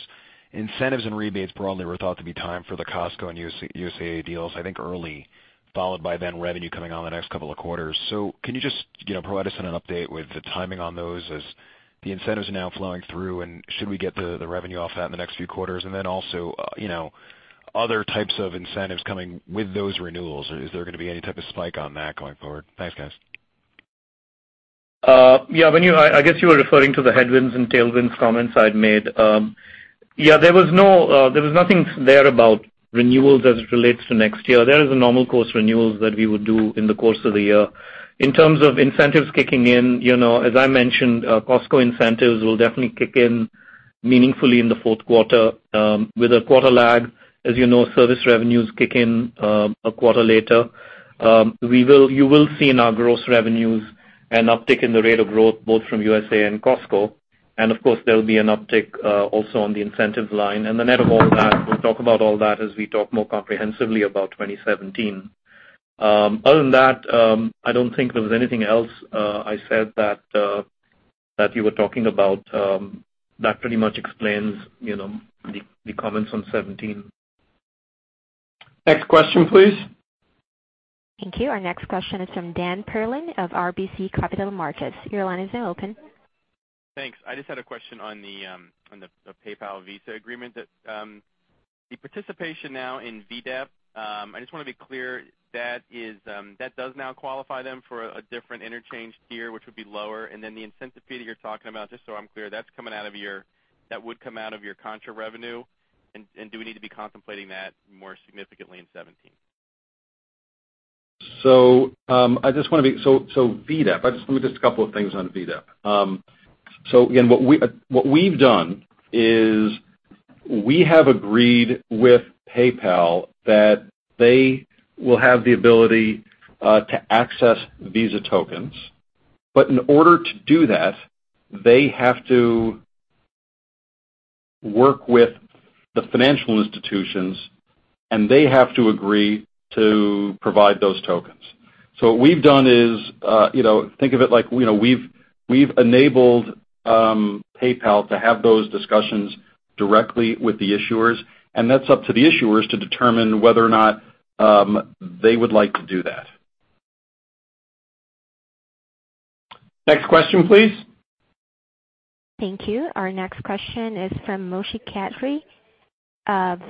Incentives and rebates broadly were thought to be time for the Costco and USAA deals, I think early, followed by then revenue coming on the next couple of quarters. Can you just provide us an update with the timing on those as the incentives are now flowing through, and should we get the revenue off that in the next few quarters? Also, other types of incentives coming with those renewals. Is there going to be any type of spike on that going forward? Thanks, guys. Yeah. I guess you were referring to the headwinds and tailwinds comments I'd made. There was nothing there about renewals as it relates to next year. There is a normal course renewals that we would do in the course of the year. In terms of incentives kicking in, as I mentioned, Costco incentives will definitely kick in meaningfully in the fourth quarter with a quarter lag. As you know, service revenues kick in a quarter later. You will see in our gross revenues an uptick in the rate of growth, both from USAA and Costco. Of course, there'll be an uptick also on the incentives line. The net of all of that, we'll talk about all that as we talk more comprehensively about 2017. Other than that, I don't think there was anything else I said that you were talking about. That pretty much explains the comments on 2017. Next question, please. Thank you. Our next question is from Daniel Perlin of RBC Capital Markets. Your line is now open. Thanks. I just had a question on the PayPal Visa agreement. The participation now in VDEP, I just want to be clear, that does now qualify them for a different interchange tier, which would be lower? The incentive fee that you're talking about, just so I'm clear, that would come out of your contra revenue? Do we need to be contemplating that more significantly in 2017? VDEP, just a couple of things on VDEP. Again, what we've done is we have agreed with PayPal that they will have the ability to access Visa tokens. In order to do that, they have to work with the financial institutions, and they have to agree to provide those tokens. What we've done is, think of it like we've enabled PayPal to have those discussions directly with the issuers, and that's up to the issuers to determine whether or not they would like to do that. Next question, please. Thank you. Our next question is from Moshe Katri of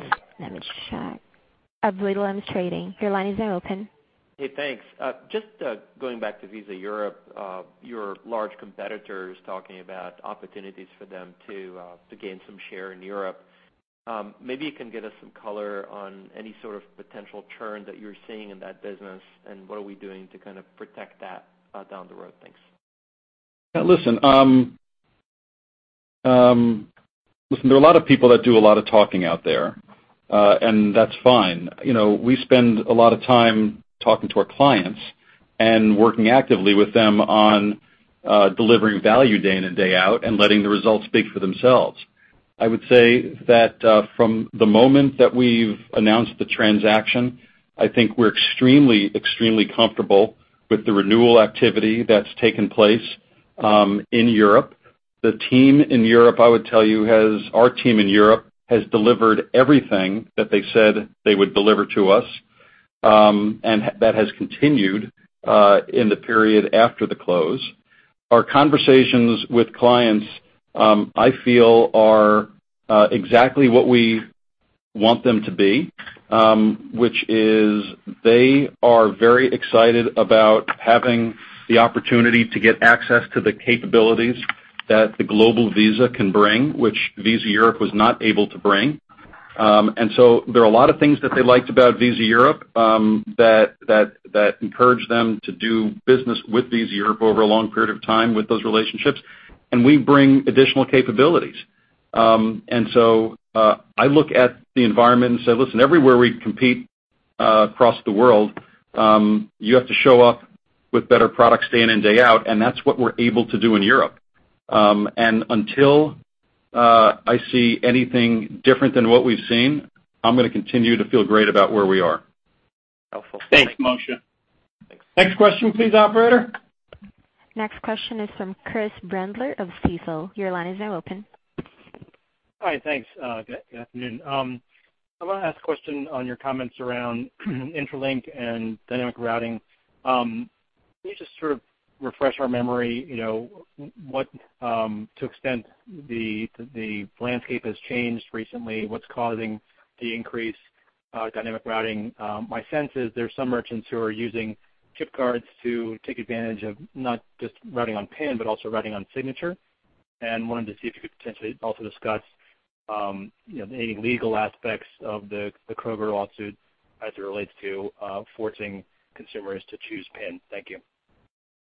Williams Trading. Your line is now open. Hey, thanks. Just going back to Visa Europe, your large competitor is talking about opportunities for them to gain some share in Europe. Maybe you can give us some color on any sort of potential churn that you're seeing in that business, and what are we doing to kind of protect that down the road. Thanks. Listen, there are a lot of people that do a lot of talking out there, and that's fine. We spend a lot of time talking to our clients and working actively with them on delivering value day in and day out and letting the results speak for themselves. I would say that from the moment that we've announced the transaction, I think we're extremely comfortable with the renewal activity that's taken place in Europe. Our team in Europe has delivered everything that they said they would deliver to us, and that has continued in the period after the close. Our conversations with clients, I feel, are exactly what we want them to be, which is they are very excited about having the opportunity to get access to the capabilities that the global Visa can bring, which Visa Europe was not able to bring. There are a lot of things that they liked about Visa Europe that encouraged them to do business with Visa Europe over a long period of time with those relationships, and we bring additional capabilities. I look at the environment and say, "Listen, everywhere we compete across the world, you have to show up with better products day in and day out," and that's what we're able to do in Europe. Until I see anything different than what we've seen, I'm going to continue to feel great about where we are. Helpful. Thanks. Thanks, Moshe. Thanks. Next question please, operator. Next question is from Chris Brendler of Stifel. Your line is now open. Hi, thanks. Good afternoon. I want to ask a question on your comments around Interlink and dynamic routing. Can you just sort of refresh our memory, to the extent the landscape has changed recently, what's causing the increased dynamic routing? My sense is there are some merchants who are using chip cards to take advantage of not just routing on PIN, but also routing on signature. I wanted to see if you could potentially also discuss any legal aspects of the Kroger lawsuit as it relates to forcing consumers to choose PIN. Thank you.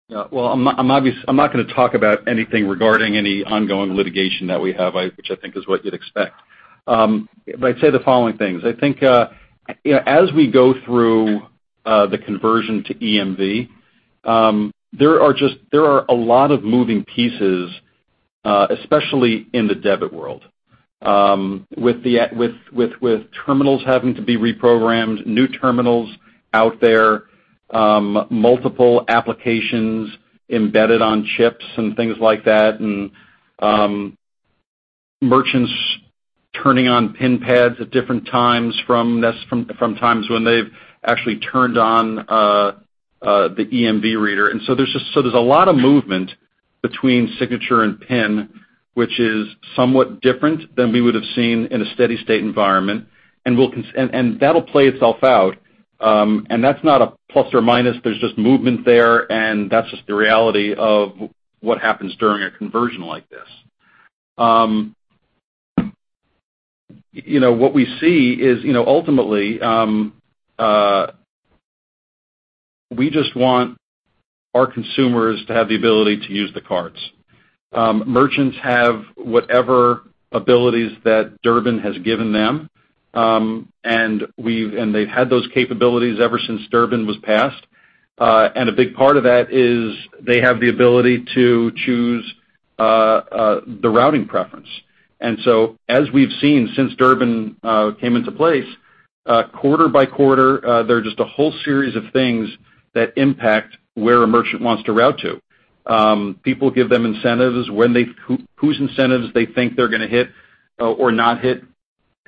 Well, I'm not going to talk about anything regarding any ongoing litigation that we have, which I think is what you'd expect. I'd say the following things. I think as we go through the conversion to EMV, there are a lot of moving pieces, especially in the debit world. With terminals having to be reprogrammed, new terminals out there, multiple applications embedded on chips and things like that, and merchants turning on PIN pads at different times from times when they've actually turned on the EMV reader. There's a lot of movement between signature and PIN, which is somewhat different than we would have seen in a steady state environment. That'll play itself out. That's not a plus or minus. There's just movement there, and that's just the reality of what happens during a conversion like this. What we see is ultimately, we just want our consumers to have the ability to use the cards. Merchants have whatever abilities that Durbin has given them. They've had those capabilities ever since Durbin was passed. A big part of that is they have the ability to choose the routing preference. As we've seen since Durbin came into place, quarter by quarter, there are just a whole series of things that impact where a merchant wants to route to. People give them incentives, whose incentives they think they're going to hit or not hit,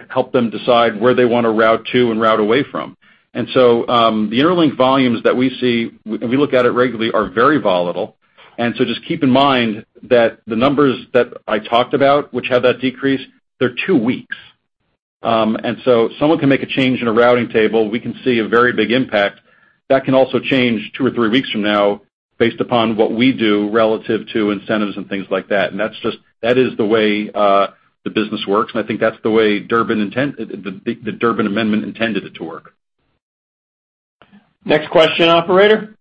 help them decide where they want to route to and route away from. The Interlink volumes that we see, and we look at it regularly, are very volatile. Just keep in mind that the numbers that I talked about, which had that decrease, they're two weeks. Someone can make a change in a routing table, we can see a very big impact. That can also change two or three weeks from now Based upon what we do relative to incentives and things like that. That is the way the business works, and I think that's the way the Durbin Amendment intended it to work. Next question, operator.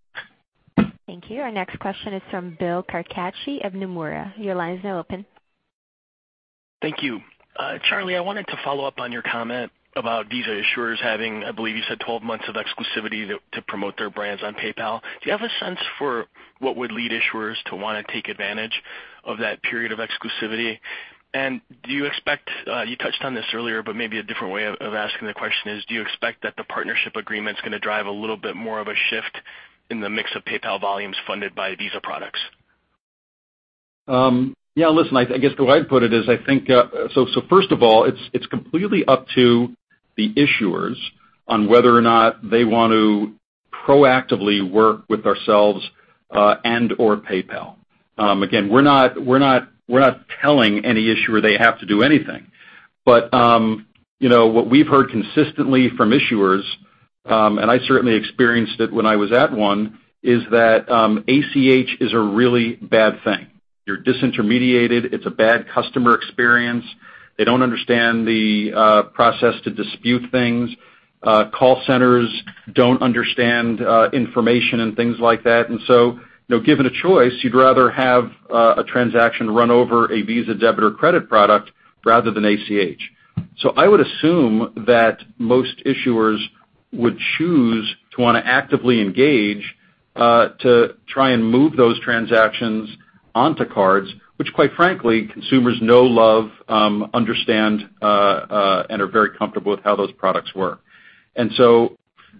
Thank you. Our next question is from Bill Carcache of Nomura. Your line is now open. Thank you. Charlie, I wanted to follow up on your comment about Visa issuers having, I believe you said, 12 months of exclusivity to promote their brands on PayPal. Do you have a sense for what would lead issuers to want to take advantage of that period of exclusivity? Do you expect, you touched on this earlier, but maybe a different way of asking the question is, do you expect that the partnership agreement is going to drive a little bit more of a shift in the mix of PayPal volumes funded by Visa products? Listen, I guess the way I'd put it is, first of all, it's completely up to the issuers on whether or not they want to proactively work with ourselves and/or PayPal. Again, we're not telling any issuer they have to do anything. What we've heard consistently from issuers, and I certainly experienced it when I was at one, is that ACH is a really bad thing. You're disintermediated. It's a bad customer experience. They don't understand the process to dispute things. Call centers don't understand information and things like that. Given a choice, you'd rather have a transaction run over a Visa debit or credit product rather than ACH. I would assume that most issuers would choose to want to actively engage to try and move those transactions onto cards, which quite frankly, consumers know, love, understand, and are very comfortable with how those products work.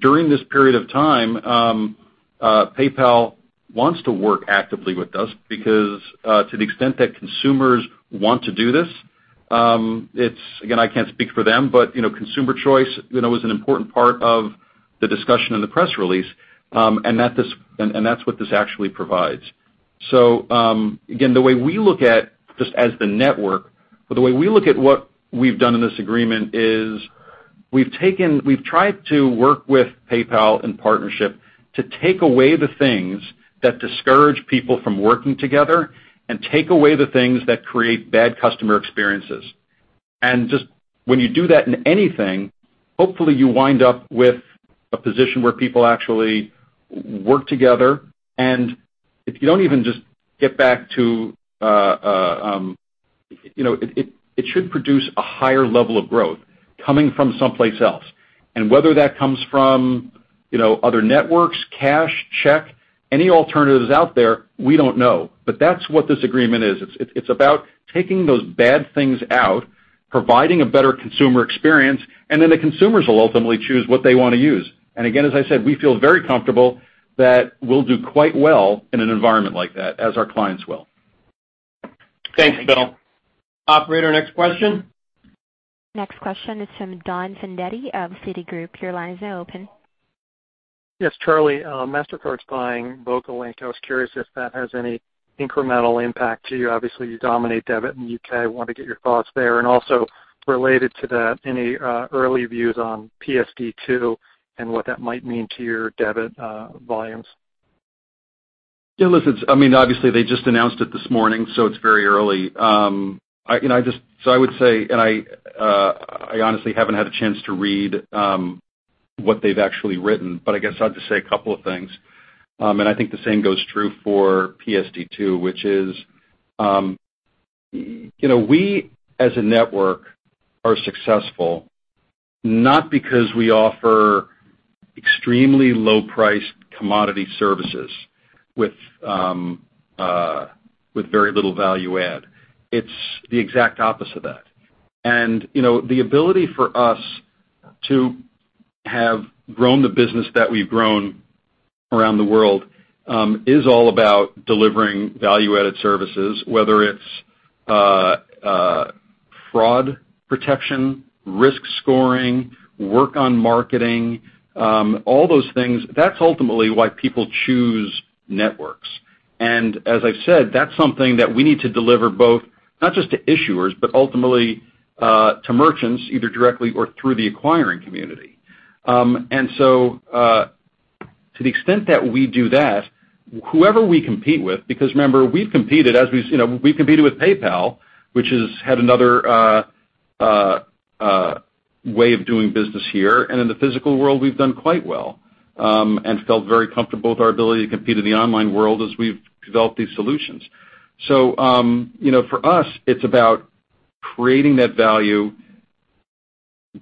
During this period of time, PayPal wants to work actively with us because to the extent that consumers want to do this, again, I can't speak for them, but consumer choice is an important part of the discussion in the press release, and that's what this actually provides. Again, the way we look at, just as the network, the way we look at what we've done in this agreement is we've tried to work with PayPal in partnership to take away the things that discourage people from working together and take away the things that create bad customer experiences. When you do that in anything, hopefully you wind up with a position where people actually work together. If you don't even, it should produce a higher level of growth coming from someplace else. Whether that comes from other networks, cash, check, any alternatives out there, we don't know. That's what this agreement is. It's about taking those bad things out, providing a better consumer experience, and then the consumers will ultimately choose what they want to use. Again, as I said, we feel very comfortable that we'll do quite well in an environment like that, as our clients will. Thanks, Bill. Operator, next question. Next question is from Donald Fandetti of Citigroup. Your line is now open. Charlie, Mastercard's buying VocaLink. I was curious if that has any incremental impact to you. Obviously, you dominate debit in the U.K. I want to get your thoughts there. Also related to that, any early views on PSD2 and what that might mean to your debit volumes? Yeah, listen. Obviously, they just announced it this morning, so it's very early. I honestly haven't had a chance to read what they've actually written, but I guess I'll just say a couple of things. I think the same goes true for PSD2, which is we, as a network, are successful not because we offer extremely low-priced commodity services with very little value add. It's the exact opposite of that. The ability for us to have grown the business that we've grown around the world is all about delivering value-added services, whether it's fraud protection, risk scoring, work on marketing, all those things. That's ultimately why people choose networks. As I've said, that's something that we need to deliver both, not just to issuers, but ultimately to merchants, either directly or through the acquiring community. To the extent that we do that, whoever we compete with, because remember, we've competed with PayPal, which has had another way of doing business here. In the physical world, we've done quite well and felt very comfortable with our ability to compete in the online world as we've developed these solutions. For us, it's about creating that value,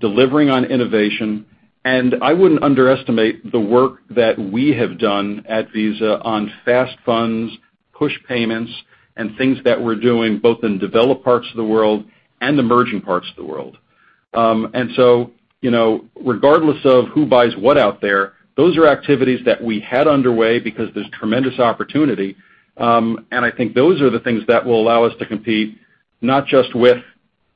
delivering on innovation, and I wouldn't underestimate the work that we have done at Visa on fast funds, push payments, and things that we're doing both in developed parts of the world and emerging parts of the world. Regardless of who buys what out there, those are activities that we had underway because there's tremendous opportunity. I think those are the things that will allow us to compete, not just with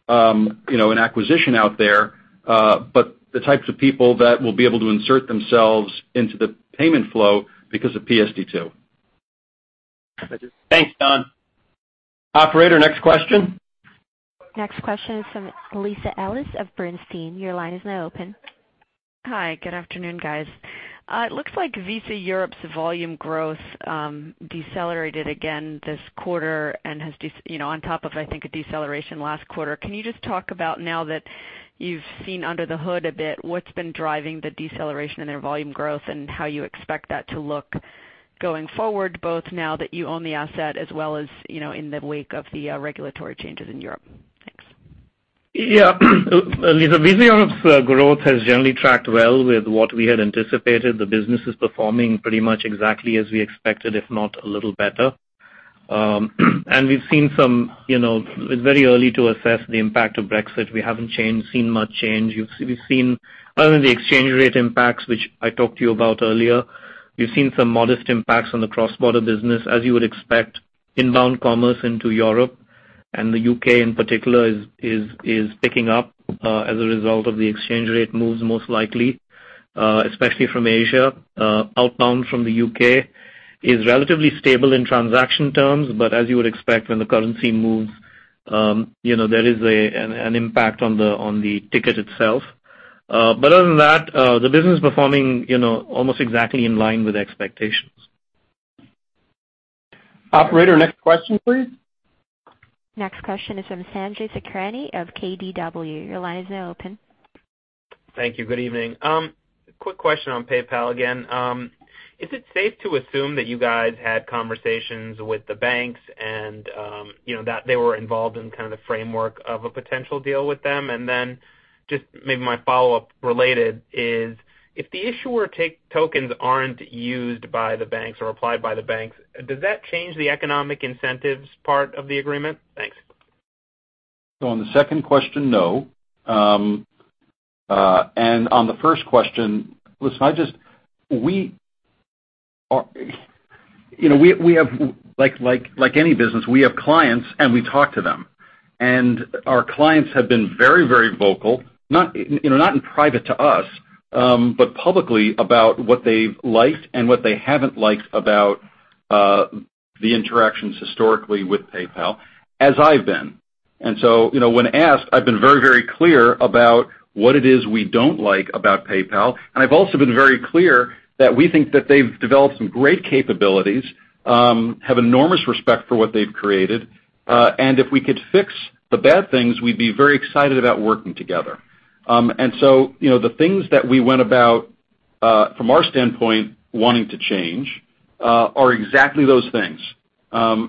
an acquisition out there, but the types of people that will be able to insert themselves into the payment flow because of PSD2. Thanks, Don Operator, next question. Next question is from Lisa Ellis of Bernstein. Your line is now open. Hi, good afternoon, guys. It looks like Visa Europe's volume growth decelerated again this quarter and on top of, I think, a deceleration last quarter. Can you just talk about now that you've seen under the hood a bit, what's been driving the deceleration in their volume growth and how you expect that to look going forward, both now that you own the asset as well as in the wake of the regulatory changes in Europe? Thanks. Yeah. Lisa, Visa Europe's growth has generally tracked well with what we had anticipated. The business is performing pretty much exactly as we expected, if not a little better. It's very early to assess the impact of Brexit. We haven't seen much change. We've seen only the exchange rate impacts, which I talked to you about earlier. We've seen some modest impacts on the cross-border business, as you would expect. Inbound commerce into Europe and the U.K. in particular is picking up as a result of the exchange rate moves most likely, especially from Asia. Outbound from the U.K. is relatively stable in transaction terms, but as you would expect when the currency moves, there is an impact on the ticket itself. Other than that, the business is performing almost exactly in line with expectations. Operator, next question, please. Next question is from Sanjay Sakhrani of KBW. Your line is now open. Thank you. Good evening. Quick question on PayPal again. Is it safe to assume that you guys had conversations with the banks and that they were involved in kind of the framework of a potential deal with them? My follow-up related is, if the issuer tokens aren't used by the banks or applied by the banks, does that change the economic incentives part of the agreement? Thanks. On the second question, no. On the first question, like any business, we have clients and we talk to them. Our clients have been very vocal, not in private to us, but publicly about what they've liked and what they haven't liked about the interactions historically with PayPal, as I've been. When asked, I've been very clear about what it is we don't like about PayPal. I've also been very clear that we think that they've developed some great capabilities, have enormous respect for what they've created. If we could fix the bad things, we'd be very excited about working together. The things that we went about from our standpoint wanting to change are exactly those things. I'd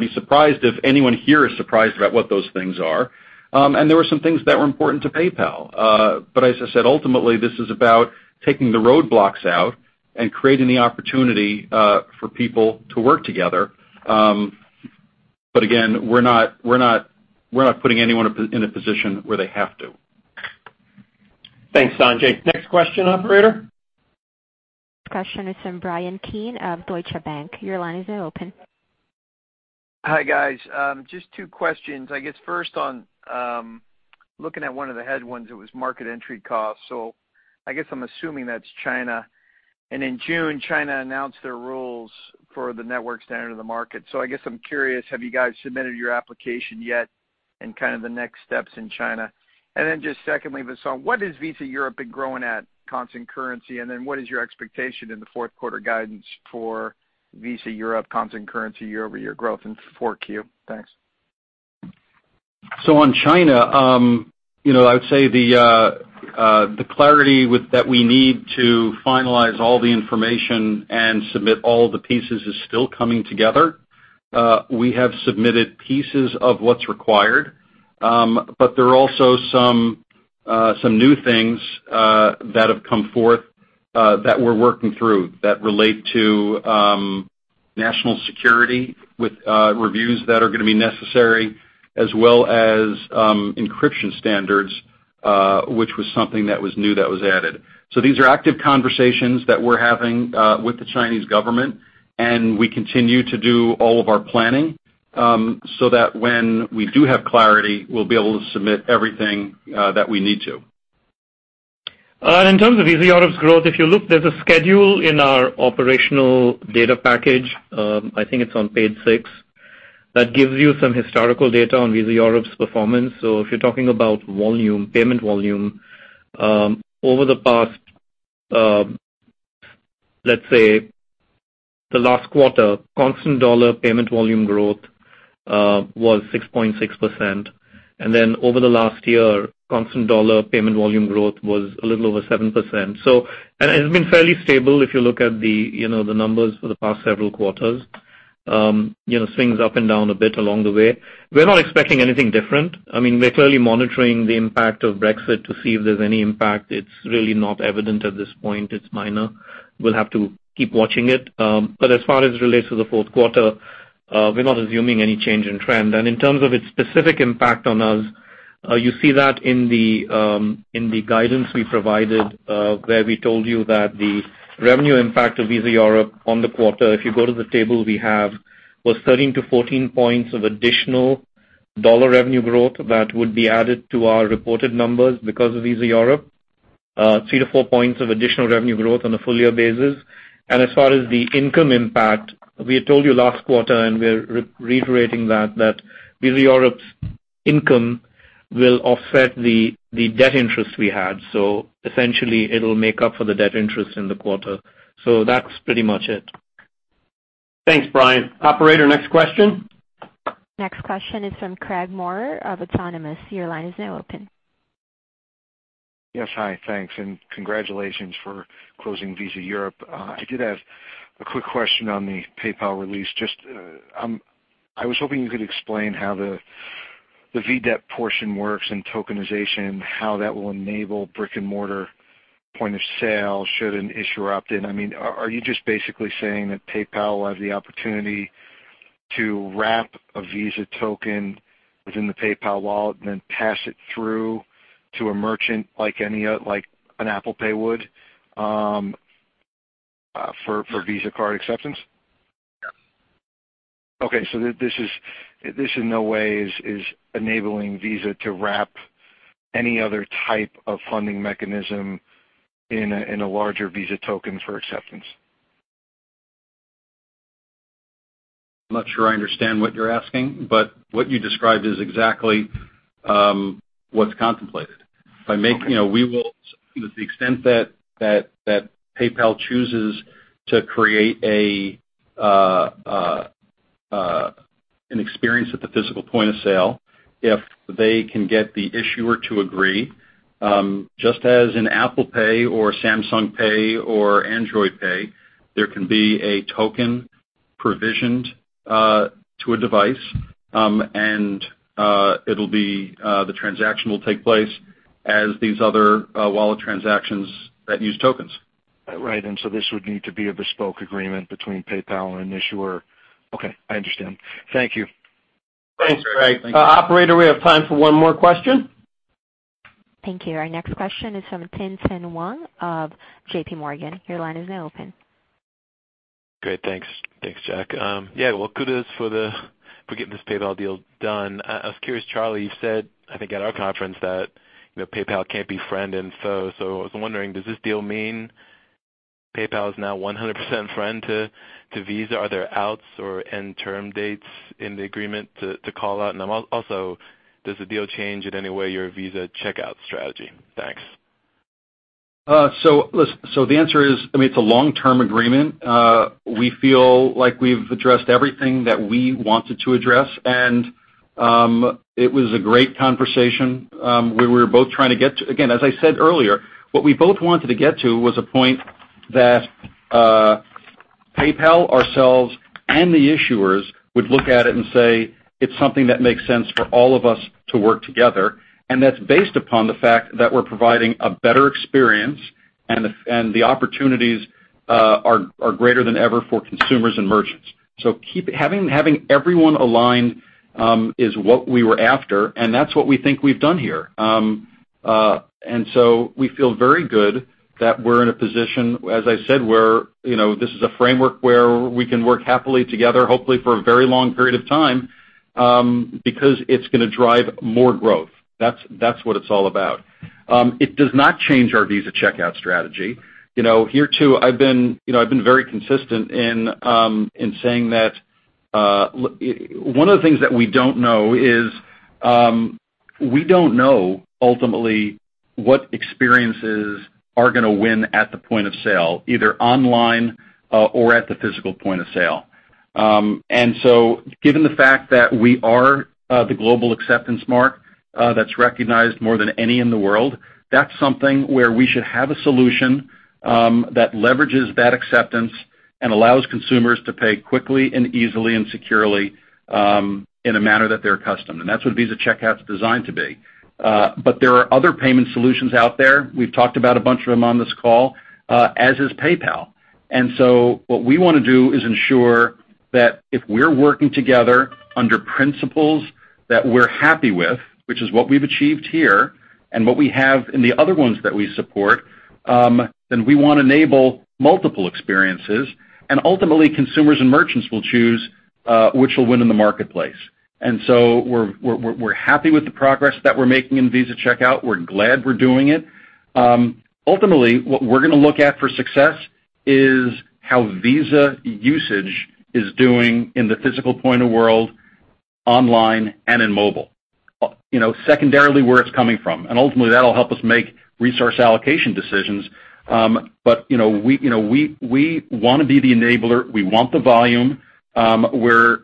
be surprised if anyone here is surprised about what those things are. There were some things that were important to PayPal. As I said, ultimately, this is about taking the roadblocks out and creating the opportunity for people to work together. Again, we're not putting anyone in a position where they have to. Thanks, Sanjay. Next question, operator. Next question is from Bryan Keane of Deutsche Bank. Your line is now open. Hi, guys. Just two questions. I guess first on looking at one of the headwinds, it was market entry costs. I guess I'm assuming that's China. In June, China announced their rules for the network standard of the market. I guess I'm curious, have you guys submitted your application yet and kind of the next steps in China? Just secondly, Vasant, what has Visa Europe been growing at constant currency? Then what is your expectation in the fourth quarter guidance for Visa Europe constant currency year-over-year growth in 4Q? Thanks. On China, I would say the clarity that we need to finalize all the information and submit all the pieces is still coming together. We have submitted pieces of what's required. There are also some new things that have come forth that we're working through that relate to national security with reviews that are going to be necessary as well as encryption standards, which was something that was new that was added. These are active conversations that we're having with the Chinese government, and we continue to do all of our planning so that when we do have clarity, we'll be able to submit everything that we need to. In terms of Visa Europe's growth, if you look, there's a schedule in our operational data package, I think it's on page six, that gives you some historical data on Visa Europe's performance. If you're talking about payment volume, over the past, let's say, the last quarter, constant dollar payment volume growth was 6.6%. Over the last year, constant dollar payment volume growth was a little over 7%. It has been fairly stable if you look at the numbers for the past several quarters. Swings up and down a bit along the way. We're not expecting anything different. We're clearly monitoring the impact of Brexit to see if there's any impact. It's really not evident at this point. It's minor. We'll have to keep watching it. As far as it relates to the fourth quarter, we're not assuming any change in trend. In terms of its specific impact on us, you see that in the guidance we provided, where we told you that the revenue impact of Visa Europe on the quarter, if you go to the table we have, was 13-14 points of additional dollar revenue growth that would be added to our reported numbers because of Visa Europe. 3-4 points of additional revenue growth on a full year basis. As far as the income impact, we had told you last quarter, and we're reiterating that Visa Europe's income will offset the debt interest we had. Essentially, it'll make up for the debt interest in the quarter. That's pretty much it. Thanks, Bryan. Operator, next question. Next question is from Craig Maurer of Autonomous. Your line is now open. Yes. Hi, thanks, and congratulations for closing Visa Europe. I did have a quick question on the PayPal release. I was hoping you could explain how the VDEP portion works in tokenization, how that will enable brick-and-mortar point of sale should an issuer opt-in. Are you just basically saying that PayPal will have the opportunity to wrap a Visa token within the PayPal wallet and then pass it through to a merchant like an Apple Pay would for Visa card acceptance? Yes. Okay. This in no way is enabling Visa to wrap any other type of funding mechanism in a larger Visa token for acceptance. I'm not sure I understand what you're asking, what you described is exactly what's contemplated. Okay. To the extent that PayPal chooses to create an experience at the physical point of sale, if they can get the issuer to agree, just as in Apple Pay or Samsung Pay or Android Pay, there can be a token provisioned to a device, and the transaction will take place as these other wallet transactions that use tokens. Right. This would need to be a bespoke agreement between PayPal and issuer. Okay. I understand. Thank you. Thanks, Craig. Operator, we have time for one more question. Thank you. Our next question is from Tien-Tsin Huang of JPMorgan. Your line is now open. Great. Thanks, Jack. Yeah, well, kudos for getting this PayPal deal done. I was curious, Charlie, you said, I think at our conference, that PayPal can't be friend and foe. I was wondering, does this deal mean PayPal is now 100% friend to Visa? Are there outs or end term dates in the agreement to call out? Also, does the deal change in any way your Visa Checkout strategy? Thanks. The answer is, it's a long-term agreement. We feel like we've addressed everything that we wanted to address. It was a great conversation. Again, as I said earlier, what we both wanted to get to was a point that PayPal, ourselves, and the issuers would look at it and say it's something that makes sense for all of us to work together, and that's based upon the fact that we're providing a better experience and the opportunities are greater than ever for consumers and merchants. Having everyone aligned is what we were after, and that's what we think we've done here. We feel very good that we're in a position, as I said, where this is a framework where we can work happily together, hopefully for a very long period of time because it's going to drive more growth. That's what it's all about. It does not change our Visa Checkout strategy. Here too, I've been very consistent in saying that one of the things that we don't know is we don't know ultimately what experiences are going to win at the point of sale, either online or at the physical point of sale. Given the fact that we are the global acceptance mark that's recognized more than any in the world, that's something where we should have a solution that leverages that acceptance and allows consumers to pay quickly and easily and securely in a manner that they're accustomed. That's what Visa Checkout's designed to be. There are other payment solutions out there, we've talked about a bunch of them on this call, as is PayPal. What we want to do is ensure that if we're working together under principles that we're happy with, which is what we've achieved here and what we have in the other ones that we support, then we want to enable multiple experiences. Ultimately, consumers and merchants will choose which will win in the marketplace. We're happy with the progress that we're making in Visa Checkout. We're glad we're doing it. Ultimately, what we're going to look at for success is how Visa usage is doing in the physical point of world, online, and in mobile. Secondarily, where it's coming from. Ultimately, that'll help us make resource allocation decisions. We want to be the enabler. We want the volume. We're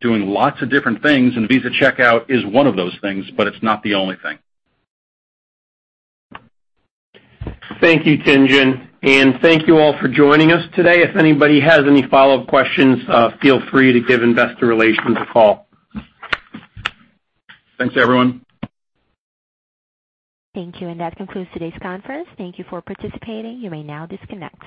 doing lots of different things, and Visa Checkout is one of those things, but it's not the only thing. Thank you, Tien-Tsin, and thank you all for joining us today. If anybody has any follow-up questions, feel free to give Investor Relations a call. Thanks, everyone. Thank you. That concludes today's conference. Thank you for participating. You may now disconnect.